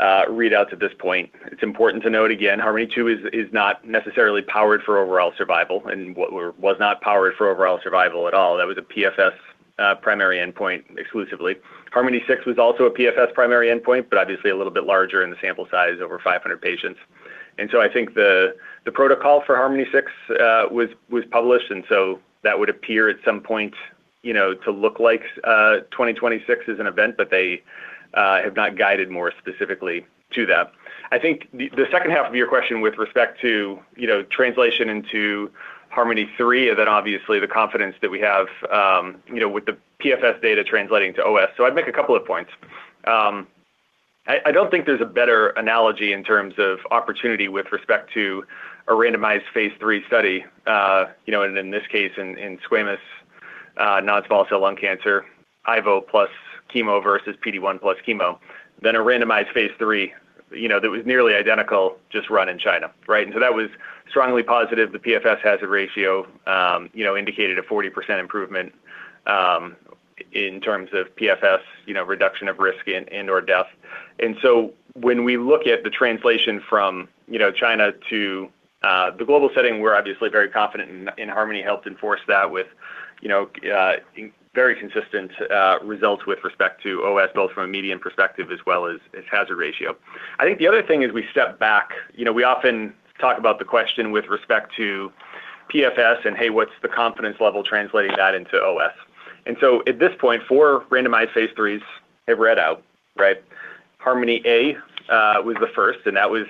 readouts at this point. It's important to note again, HARMONi-2 is not necessarily powered for overall survival and was not powered for overall survival at all. That was a PFS primary endpoint exclusively. HARMONi-6 was also a PFS primary endpoint, but obviously a little bit larger in the sample size, over 500 patients. I think the, the protocol for HARMONi-6 was, was published, and so that would appear at some point, you know, to look like 2026 is an event, but they have not guided more specifically to that. I think the, the second half of your question with respect to, you know, translation into HARMONi-3, and then obviously the confidence that we have, you know, with the PFS data translating to OS. I'd make a couple of points. I, I don't think there's a better analogy in terms of opportunity with respect to a randomized phase III study, you know, and in this case, in, in squamous non-small cell lung cancer, Ivonescimab plus chemo versus PD-1 plus chemo, than a randomized phase III, you know, that was nearly identical, just run in China, right? That was strongly positive. The PFS hazard ratio, you know, indicated a 40% improvement in terms of PFS, you know, reduction of risk and, and/or death. When we look at the translation from, you know, China to the global setting, we're obviously very confident, and HARMONi helped enforce that with, you know, very consistent results with respect to OS, both from a median perspective as well as, as hazard ratio. I think the other thing is we step back. You know, we often talk about the question with respect to PFS and, hey, what's the confidence level translating that into OS? At this point, 4 randomized phase III have read out, right? HARMONi-A was the first, and that was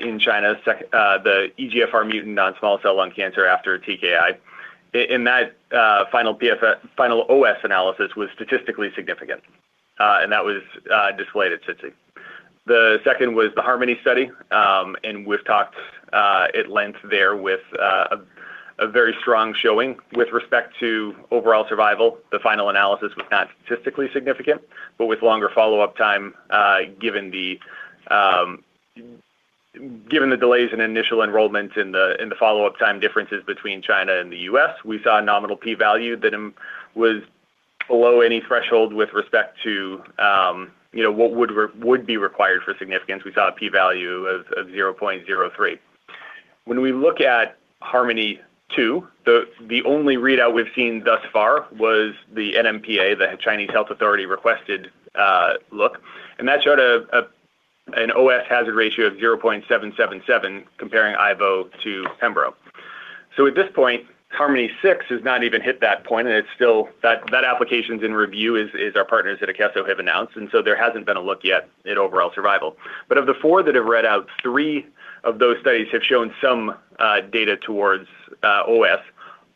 in China, the eGFR mutant non-small cell lung cancer after TKI. That final PFS, final OS analysis was statistically significant, and that was displayed at Citigroup. The second was the HARMONi study. We've talked at length there with a very strong showing with respect to overall survival. The final analysis was not statistically significant. With longer follow-up time, given the delays in initial enrollment in the, in the follow-up time, differences between China and the US, we saw a nominal P value that was below any threshold with respect to, you know, what would be required for significance. We saw a P-value of 0.03. When we look at HARMONi-2, the, the only readout we've seen thus far was the NMPA, the Chinese health authority requested, look, and that showed a, a, an OS hazard ratio of 0.777, comparing ivonescimab to pembrolizumab. At this point, HARMONi-6 has not even hit that point, and it's still. That application's in review, is, is our partners at Akeso have announced, and so there hasn't been a look yet at overall survival. Of the four that have read out, three of those studies have shown some data towards OS.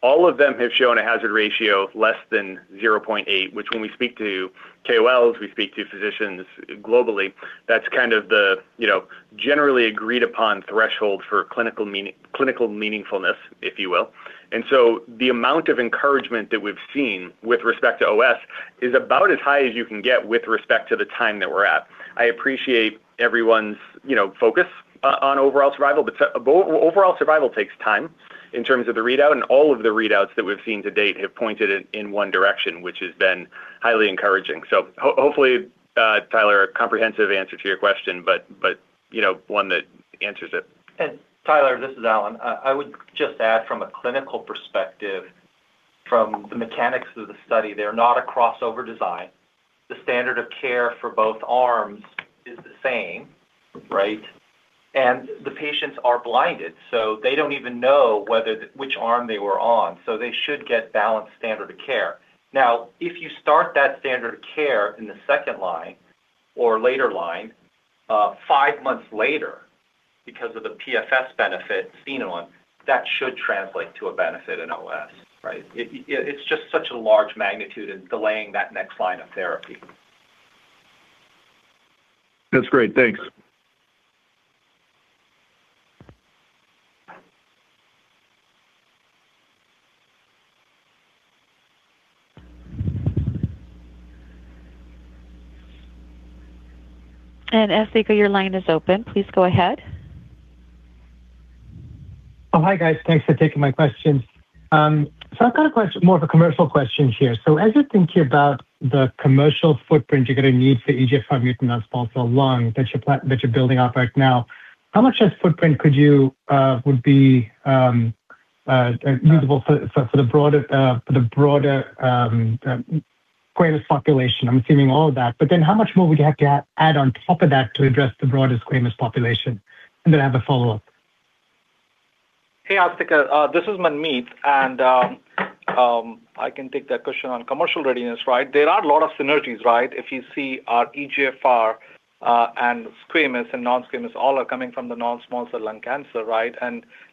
All of them have shown a hazard ratio of less than 0.8, which when we speak to KOLs, we speak to physicians globally, that's kind of the, you know, generally agreed upon threshold for clinical meaning, clinical meaningfulness, if you will. The amount of encouragement that we've seen with respect to OS is about as high as you can get with respect to the time that we're at. I appreciate everyone's, you know, focus on overall survival, but overall survival takes time in terms of the readout, and all of the readouts that we've seen to date have pointed in, in one direction, which has been highly encouraging. Hopefully, Tyler, a comprehensive answer to your question, but, you know, one that answers it. Tyler, this is Allen. I would just add from a clinical perspective, from the mechanics of the study, they're not a crossover design. The standard of care for both arms is the same, right? The patients are blinded, so they don't even know whether which arm they were on, so they should get balanced standard of care. If you start that standard of care in the second line or later line, five months later, because of the PFS benefit seen on, that should translate to a benefit in OS, right? It's just such a large magnitude in delaying that next line of therapy. That's great. Thanks. Asthika, your line is open. Please go ahead. Oh, hi, guys. Thanks for taking my questions. I've got a question, more of a commercial question here. As you're thinking about the commercial footprint, you're gonna need for eGFR mutant non-small cell lung that you're that you're building off right now, how much of footprint could you would be usable for, for, for the broader for the broader squamous population? I'm assuming all of that. Then how much more would you have to add, add on top of that to address the broader squamous population? Then I have a follow-up. Hey, Asthika, this is Manmeet, and I can take that question on commercial readiness, right? There are a lot of synergies, right? If you see our eGFR, and squamous and non-squamous all are coming from the non-small cell lung cancer, right?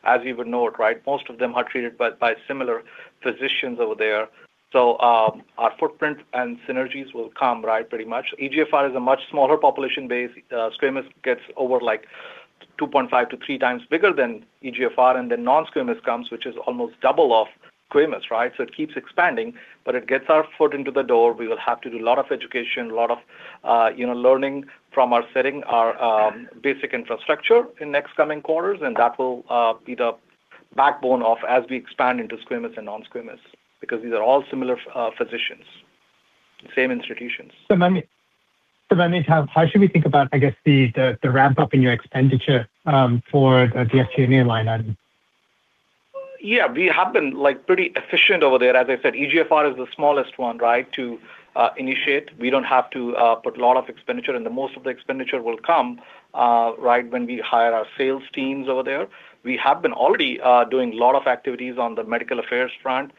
As you would know it, right, most of them are treated by similar physicians over there. Our footprint and synergies will come, right, pretty much. eGFR is a much smaller population base. Squamous gets over, like, 2.5-3 times bigger than eGFR, and then non-squamous comes, which is almost double of squamous, right? It keeps expanding, but it gets our foot into the door. We will have to do a lot of education, a lot of, you know, learning from our setting, our basic infrastructure in next coming quarters. That will be the backbone of as we expand into squamous and non-squamous, because these are all similar physicians, same institutions. Manmeet, so Manmeet, how, how should we think about, I guess, the, the, the ramp-up in your expenditure, for the FDA line item? We have been, like, pretty efficient over there. As I said, eGFR is the smallest one, right, to initiate. We don't have to put a lot of expenditure, and the most of the expenditure will come, right, when we hire our sales teams over there. We have been already doing a lot of activities on the medical affairs front,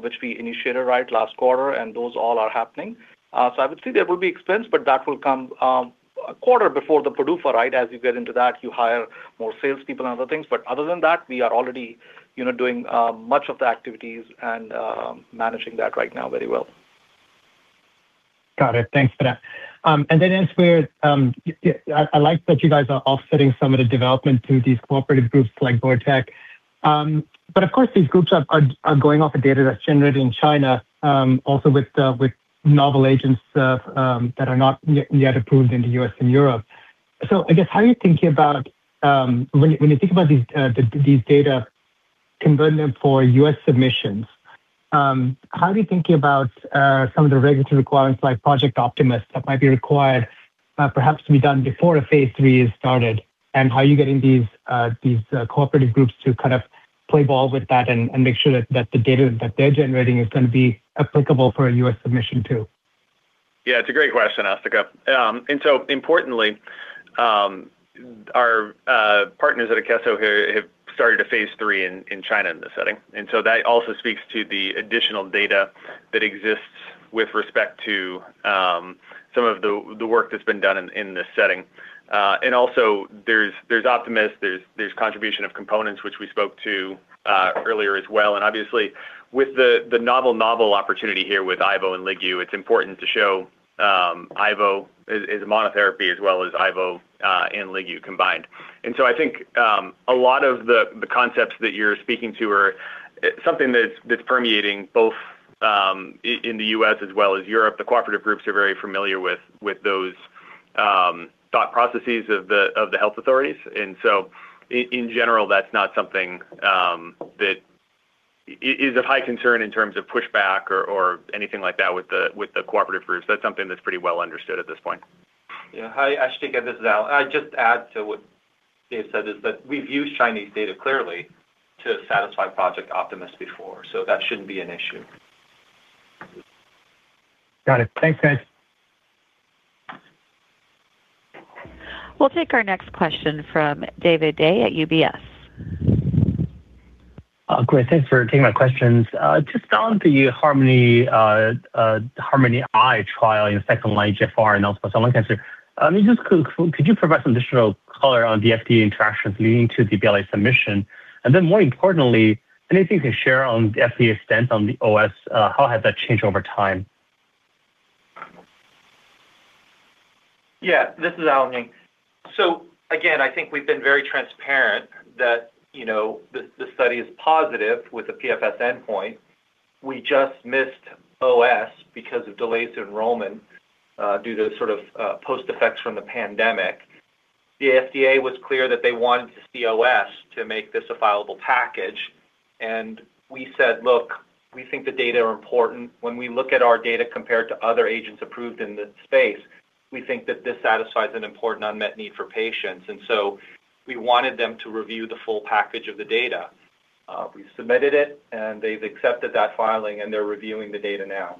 which we initiated, right, last quarter, and those all are happening. I would say there will be expense, but that will come a quarter before the PDUFA, right? As you get into that, you hire more salespeople and other things. Other than that, we are already, you know, doing much of the activities and managing that right now very well. Got it. Thanks for that. As we're, I like that you guys are offsetting some of the development to these cooperative groups like GORTEC. Of course, these groups are going off a data that's generated in China, also with the with novel agents that are not yet approved in the U.S. and Europe. I guess, how are you thinking about, when you think about these data conversion for U.S. submissions, how are you thinking about some of the regulatory requirements like Project Optimus, that might be required perhaps to be done before the phase III is started? How are you getting these, these cooperative groups to kind of play ball with that and, and make sure that, that the data that they're generating is gonna be applicable for a U.S. submission, too? It's a great question, Asthika. Importantly, our partners at Akeso have started a phase III in China in this setting. That also speaks to the additional data that exists with respect to some of the work that's been done in this setting. Also, there's, there's Project Optimus, there's, there's contribution of components which we spoke to earlier as well. Obviously, with the novel, novel opportunity here with Ivonescimab and Ligu, it's important to show Ivonescimab as a monotherapy as well as Ivonescimab and Ligu combined. I think a lot of the concepts that you're speaking to are something that's, that's permeating both in the US as well as Europe. The cooperative groups are very familiar with, with those, thought processes of the, of the health authorities. So in general, that's not something, that is of high concern in terms of pushback or, or anything like that with the, with the cooperative groups. That's something that's pretty well understood at this point. Yeah. Hi, Asthika, this is Al. I just add to what Dave said, is that we've used Chinese data clearly to satisfy Project Optimus before, so that shouldn't be an issue. Got it. Thanks, guys. We'll take our next question from David Dai at UBS. Great. Thanks for taking my questions. On the HARMONi trial in second-line eGFR and also someone cancer, could you provide some additional color on the FDA interactions leading to the BLA submission? More importantly, anything to share on the FDA extent on the OS, how has that changed over time? Yeah, this is Allen. Again, I think we've been very transparent that, you know, the, the study is positive with the PFS endpoint. We just missed OS because of delays in enrollment due to sort of post effects from the pandemic. The FDA was clear that they wanted to see OS to make this a filable package, and we said, "Look, we think the data are important." When we look at our data compared to other agents approved in this space, we think that this satisfies an important unmet need for patients. We wanted them to review the full package of the data. We submitted it, and they've accepted that filing, and they're reviewing the data now.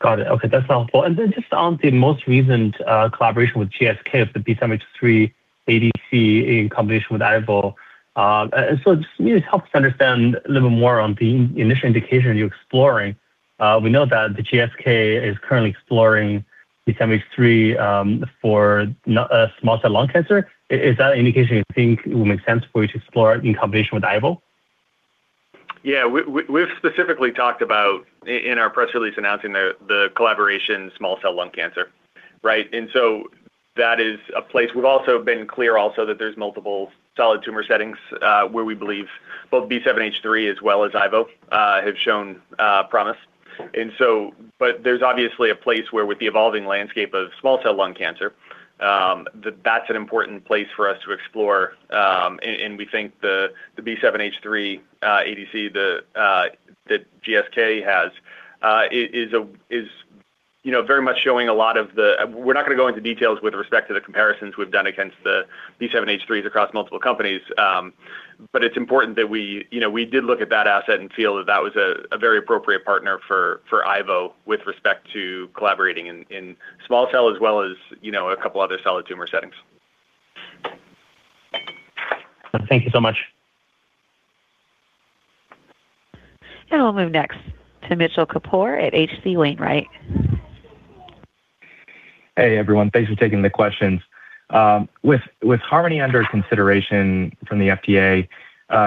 Got it. Okay, that's helpful. Then just on the most recent collaboration with GSK, the B7-H3 ADC in combination with Ivo. So just it helps to understand a little more on the initial indication you're exploring. We know that GSK is currently exploring the B7-H3 for non-small cell lung cancer. Is that an indication you think it would make sense for you to explore in combination with Ivo? Yeah, we've specifically talked about in our press release announcing the, the collaboration, small cell lung cancer, right? So that is a place. We've also been clear also that there's multiple solid tumor settings, where we believe both B7-H3 as well as ivonescimab have shown promise. There's obviously a place where with the evolving landscape of small cell lung cancer, that that's an important place for us to explore, and we think the B7H3 ADC, that GSK has, is, you know, very much showing a lot of the-- We're not gonna go into details with respect to the comparisons we've done against the B7H3s across multiple companies, but it's important that we, you know, we did look at that asset and feel that that was a very appropriate partner for ivonescimab with respect to collaborating in small cell as well as, you know, a couple other solid tumor settings. Thank you so much. We'll move next to Mitchell Kapoor at H.C. Wainwright. Hey, everyone. Thanks for taking the questions. With, with HARMONi under consideration from the FDA,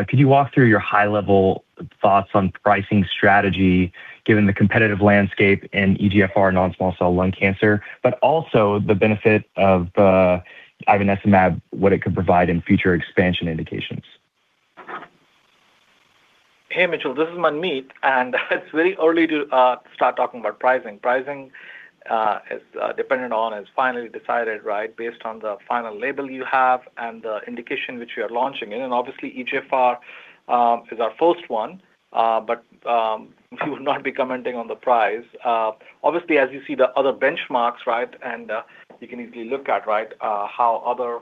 could you walk through your high-level thoughts on pricing strategy, given the competitive landscape and eGFR non-small cell lung cancer, but also the benefit of Ivonescimab, what it could provide in future expansion indications? Hey, Mitchell, this is Manmeet, it's very early to start talking about pricing. Pricing is dependent on, is finally decided, right, based on the final label you have and the indication which you are launching in. Obviously, eGFR is our first one, but we will not be commenting on the price. Obviously, as you see the other benchmarks, right, you can easily look at, right, how other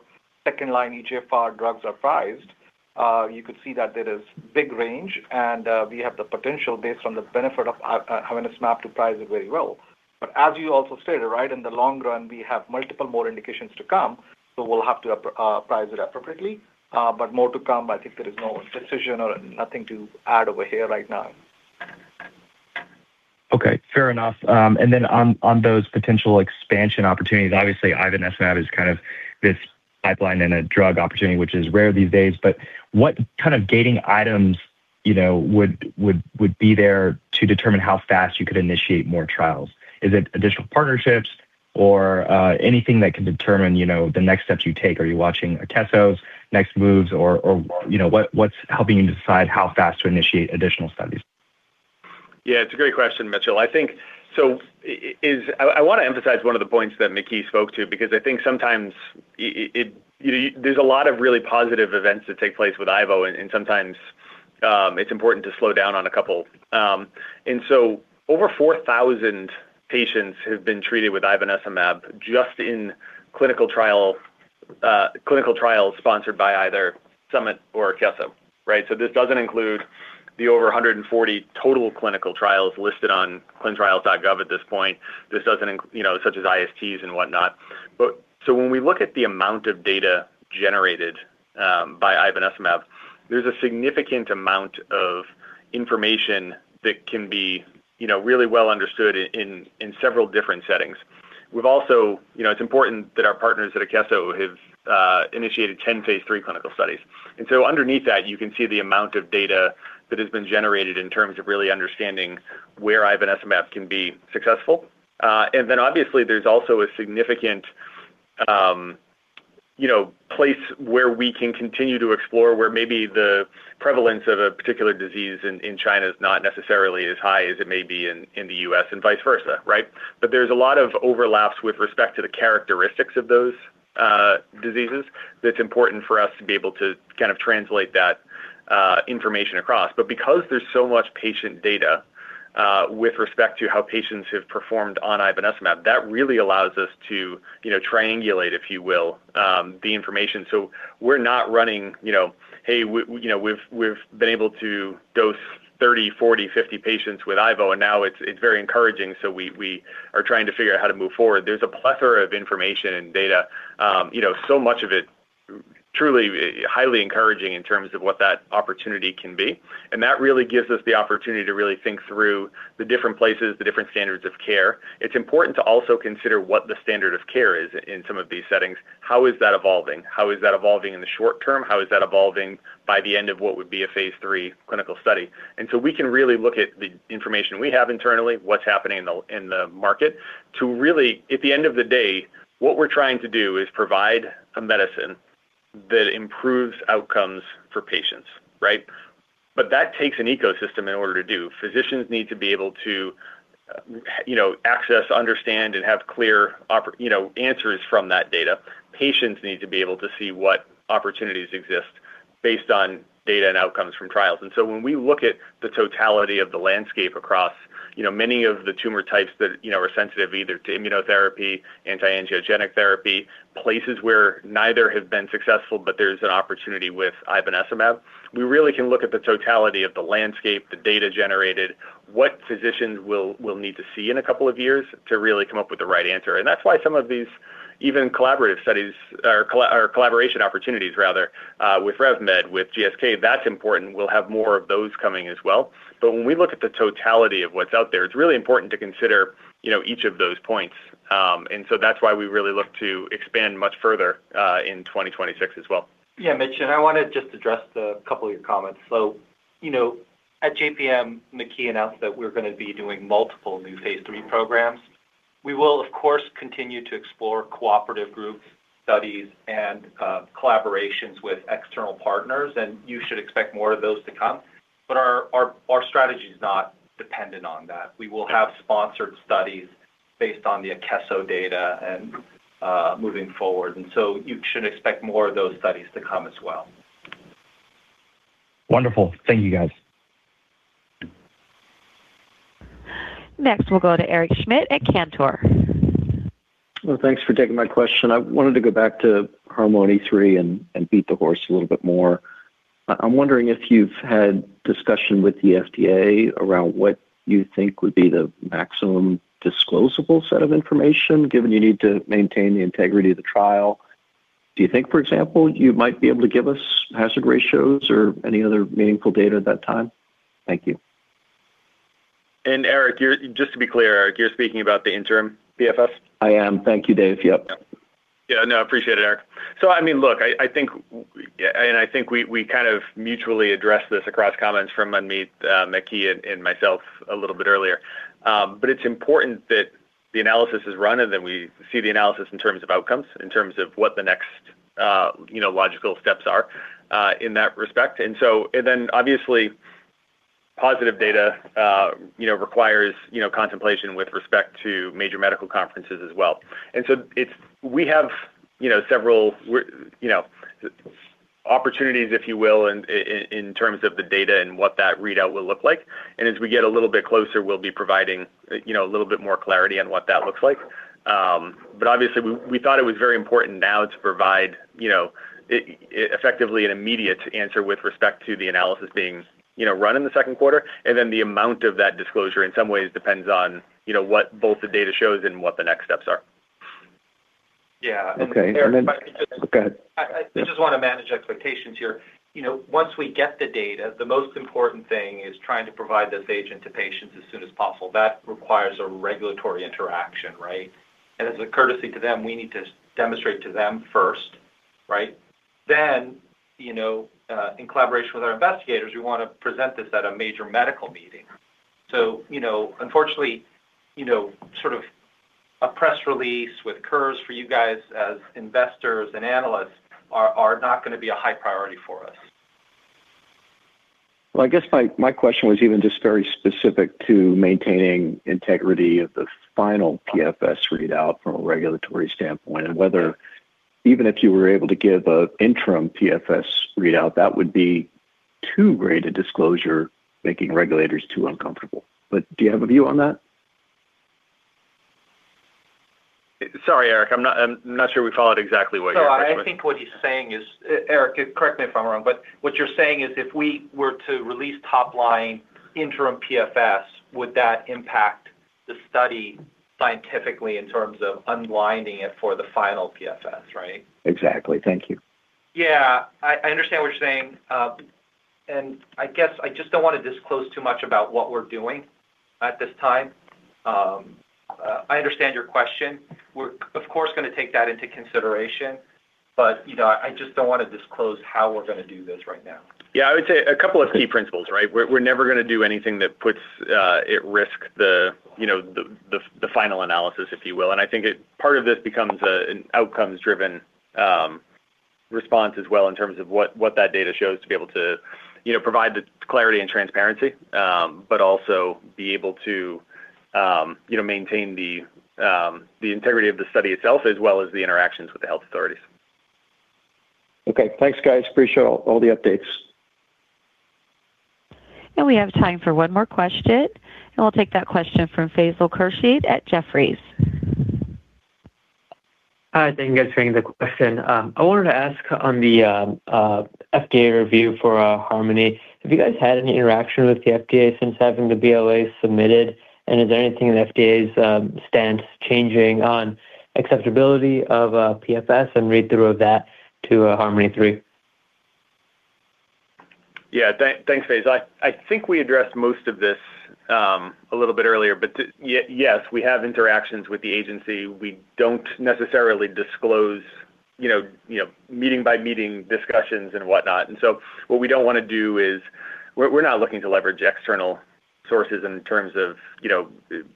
second-line eGFR drugs are priced, you could see that there is big range, we have the potential, based on the benefit of Ivonescimab, to price it very well. As you also stated, right, in the long run, we have multiple more indications to come, so we'll have to price it appropriately. More to come. I think there is no decision or nothing to add over here right now. Okay, fair enough. On, on those potential expansion opportunities, obviously, Ivonescimab is kind of this pipeline and a drug opportunity, which is rare these days. What kind of gating items, you know, would, would, would be there to determine how fast you could initiate more trials? Is it additional partnerships or, anything that can determine, you know, the next steps you take? Are you watching Akeso's next moves, or, or, you know, what, what's helping you decide how fast to initiate additional studies? Yeah, it's a great question, Mitchell Kapoor. I think I wanna emphasize one of the points that Maky spoke to, because I think sometimes it, you know, there's a lot of really positive events that take place with Ivo, and, and sometimes, it's important to slow down on a couple. Over 4,000 patients have been treated with Ivonescimab just in clinical trial, clinical trials sponsored by either Summit or Akeso, right? This doesn't include the over 140 total clinical trials listed on ClinicalTrials.gov at this point. This doesn't inc-, you know, such as ISTs and whatnot. When we look at the amount of data generated by Ivonescimab, there's a significant amount of information that can be, you know, really well understood in, in several different settings. We've also... You know, it's important that our partners at Akeso have initiated 10 phase three clinical studies. Underneath that, you can see the amount of data that has been generated in terms of really understanding where Ivonescimab can be successful. Obviously, there's also a significant, you know, place where we can continue to explore, where maybe the prevalence of a particular disease in China is not necessarily as high as it may be in the US and vice versa, right? There's a lot of overlaps with respect to the characteristics of those diseases. That's important for us to be able to kind of translate that information across. Because there's so much patient data, with respect to how patients have performed on Ivonescimab, that really allows us to, you know, triangulate, if you will, the information. We're not running, you know, hey, we, you know, we've, we've been able to dose 30, 40, 50 patients with Ivo, and now it's, it's very encouraging, so we, we are trying to figure out how to move forward. There's a plethora of information and data, you know, so much of it truly, highly encouraging in terms of what that opportunity can be. That really gives us the opportunity to really think through the different places, the different standards of care. It's important to also consider what the standard of care is in some of these settings. How is that evolving? How is that evolving in the short term? How is that evolving by the end of what would be a phase III clinical study? So we can really look at the information we have internally, what's happening in the, in the market, to really, at the end of the day, what we're trying to do is provide a medicine that improves outcomes for patients, right? That takes an ecosystem in order to do. Physicians need to be able to, you know, access, understand, and have clear you know, answers from that data. Patients need to be able to see what opportunities exist based on data and outcomes from trials. When we look at the totality of the landscape across, you know, many of the tumor types that, you know, are sensitive either to immunotherapy, anti-angiogenic therapy, places where neither have been successful, but there's an opportunity with Ivonescimab, we really can look at the totality of the landscape, the data generated, what physicians will, will need to see in a couple of years to really come up with the right answer. That's why some of these even collaborative studies, or collaboration opportunities, rather, with RevMed, with GSK, that's important. We'll have more of those coming as well. When we look at the totality of what's out there, it's really important to consider, you know, each of those points. That's why we really look to expand much further in 2026 as well. Yeah, Mitchell, and I want to just address a couple of your comments. You know, at JPM, Maky announced that we're going to be doing multiple new phase III programs. ... We will, of course, continue to explore cooperative group studies and collaborations with external partners. You should expect more of those to come. Our, our, our strategy is not dependent on that. We will have sponsored studies based on the Akeso data and moving forward. You should expect more of those studies to come as well. Wonderful. Thank you, guys. Next, we'll go to Eric Schmidt at Cantor Fitzgerald. Well, thanks for taking my question. I wanted to go back to HARMONi-3 and beat the horse a little bit more. I'm wondering if you've had discussion with the FDA around what you think would be the maximum disclosable set of information, given you need to maintain the integrity of the trial. Do you think, for example, you might be able to give us hazard ratios or any other meaningful data at that time? Thank you. Eric, just to be clear, Eric, you're speaking about the interim PFS? I am. Thank you, Dave. Yep. Yeah, no, I appreciate it, Eric. I mean, look, I, I think, yeah, and I think we, we kind of mutually addressed this across comments from Manmeet, Maky and, and myself a little bit earlier. It's important that the analysis is run and then we see the analysis in terms of outcomes, in terms of what the next, you know, logical steps are, in that respect. Obviously, positive data, you know, requires, you know, contemplation with respect to major medical conferences as well. It's we have, you know, several we're, you know, opportunities, if you will, in, in, in terms of the data and what that readout will look like. As we get a little bit closer, we'll be providing, you know, a little bit more clarity on what that looks like. Obviously, we, we thought it was very important now to provide, you know, effectively an immediate answer with respect to the analysis being, you know, run in the Q2, and then the amount of that disclosure in some ways depends on, you know, what both the data shows and what the next steps are. Yeah. Okay. Go ahead. I, I, I just wanna manage expectations here. You know, once we get the data, the most important thing is trying to provide this agent to patients as soon as possible. That requires a regulatory interaction, right? As a courtesy to them, we need to demonstrate to them first, right? You know, in collaboration with our investigators, we wanna present this at a major medical meeting. You know, unfortunately, you know, sort of a press release with curves for you guys as investors and analysts are, are not gonna be a high priority for us. Well, I guess my, my question was even just very specific to maintaining integrity of the final PFS readout from a regulatory standpoint, and whether even if you were able to give an interim PFS readout, that would be too great a disclosure, making regulators too uncomfortable. Do you have a view on that? Sorry, Eric, I'm not, I'm not sure we followed exactly what you're- I think what he's saying is, Eric, correct me if I'm wrong, but what you're saying is if we were to release top line interim PFS, would that impact the study scientifically in terms of unblinding it for the final PFS, right? Exactly. Thank you. Yeah, I, I understand what you're saying. I guess I just don't want to disclose too much about what we're doing at this time. I understand your question. We're, of course, gonna take that into consideration, you know, I just don't want to disclose how we're gonna do this right now. Yeah, I would say a couple of key principles, right? We're, we're never gonna do anything that puts at risk the, you know, the, the, the final analysis, if you will. I think part of this becomes an outcomes-driven response as well in terms of what, what that data shows to be able to, you know, provide the clarity and transparency, but also be able to, you know, maintain the integrity of the study itself, as well as the interactions with the health authorities. Okay. Thanks, guys. Appreciate all, all the updates. We have time for one more question, and we'll take that question from Faisal Khursheed at Jefferies. Hi, thank you guys for taking the question. I wanted to ask on the FDA review for HARMONi. Have you guys had any interaction with the FDA since having the BLA submitted? Is there anything in the FDA's stance changing on acceptability of PFS and read through of that to HARMONi-3? Yeah, thank, thanks, Faisal. I, I think we addressed most of this a little bit earlier. Yes, we have interactions with the agency. We don't necessarily disclose, you know, you know, meeting by meeting discussions and whatnot. So what we don't wanna do is, we're, we're not looking to leverage external sources in terms of, you know,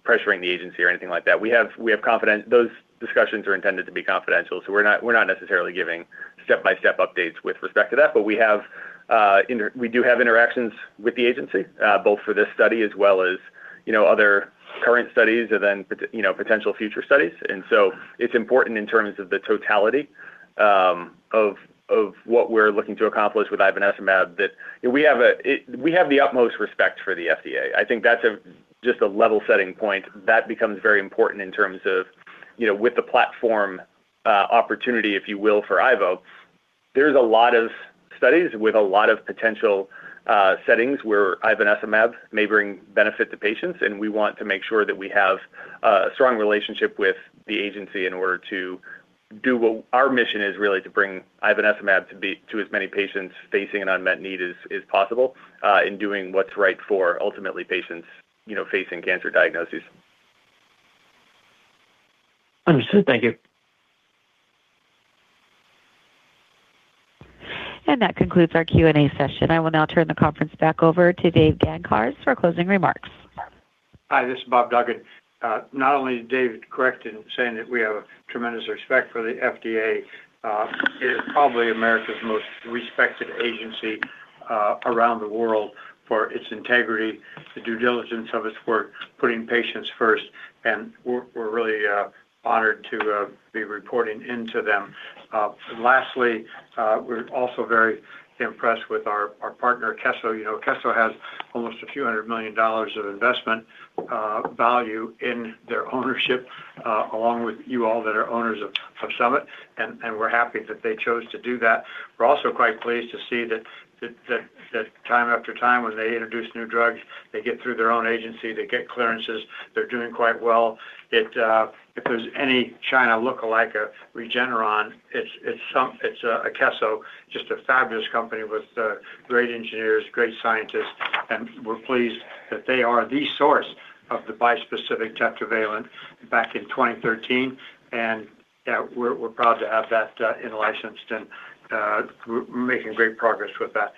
pressuring the agency or anything like that. We have, we have confidence. Those discussions are intended to be confidential, so we're not, we're not necessarily giving step-by-step updates with respect to that. We have, we do have interactions with the agency, both for this study as well as, you know, other current studies and then, you know, potential future studies. It's important in terms of the totality of what we're looking to accomplish with Ivonescimab, that we have the utmost respect for the FDA. I think that's a, just a level-setting point. That becomes very important in terms of, you know, with the platform opportunity, if you will, for Ivonescimab. There's a lot of studies with a lot of potential settings where Ivonescimab may bring benefit to patients, and we want to make sure that we have a strong relationship with the agency in order to do what. Our mission is really to bring Ivonescimab to be, to as many patients facing an unmet need as is possible in doing what's right for ultimately patients, you know, facing cancer diagnoses. Understood. Thank you. That concludes our Q&A session. I will now turn the conference back over to Dave Gancarz for closing remarks. Hi, this is Bob Duggan. Not only is David correct in saying that we have a tremendous respect for the FDA, it is probably America's most respected agency around the world for its integrity, the due diligence of its work, putting patients first, and we're really honored to be reporting into them. Lastly, we're also very impressed with our partner, Akeso. You know, Akeso has almost a few hundred million dollars of investment value in their ownership along with you all that are owners of Summit, and we're happy that they chose to do that. We're also quite pleased to see that, that, that, that time after time, when they introduce new drugs, they get through their own agency, they get clearances, they're doing quite well. It, if there's any China lookalike, a Regeneron, it's Akeso, just a fabulous company with great engineers, great scientists, and we're pleased that they are the source of the bispecific tetravalent back in 2013. We're proud to have that in-licensed and we're making great progress with that.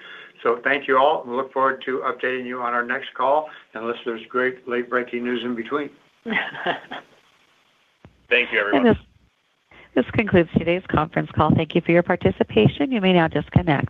Thank you all. We look forward to updating you on our next call, unless there's great late-breaking news in between. Thank you, everyone. This, this concludes today's conference call. Thank you for your participation. You may now disconnect.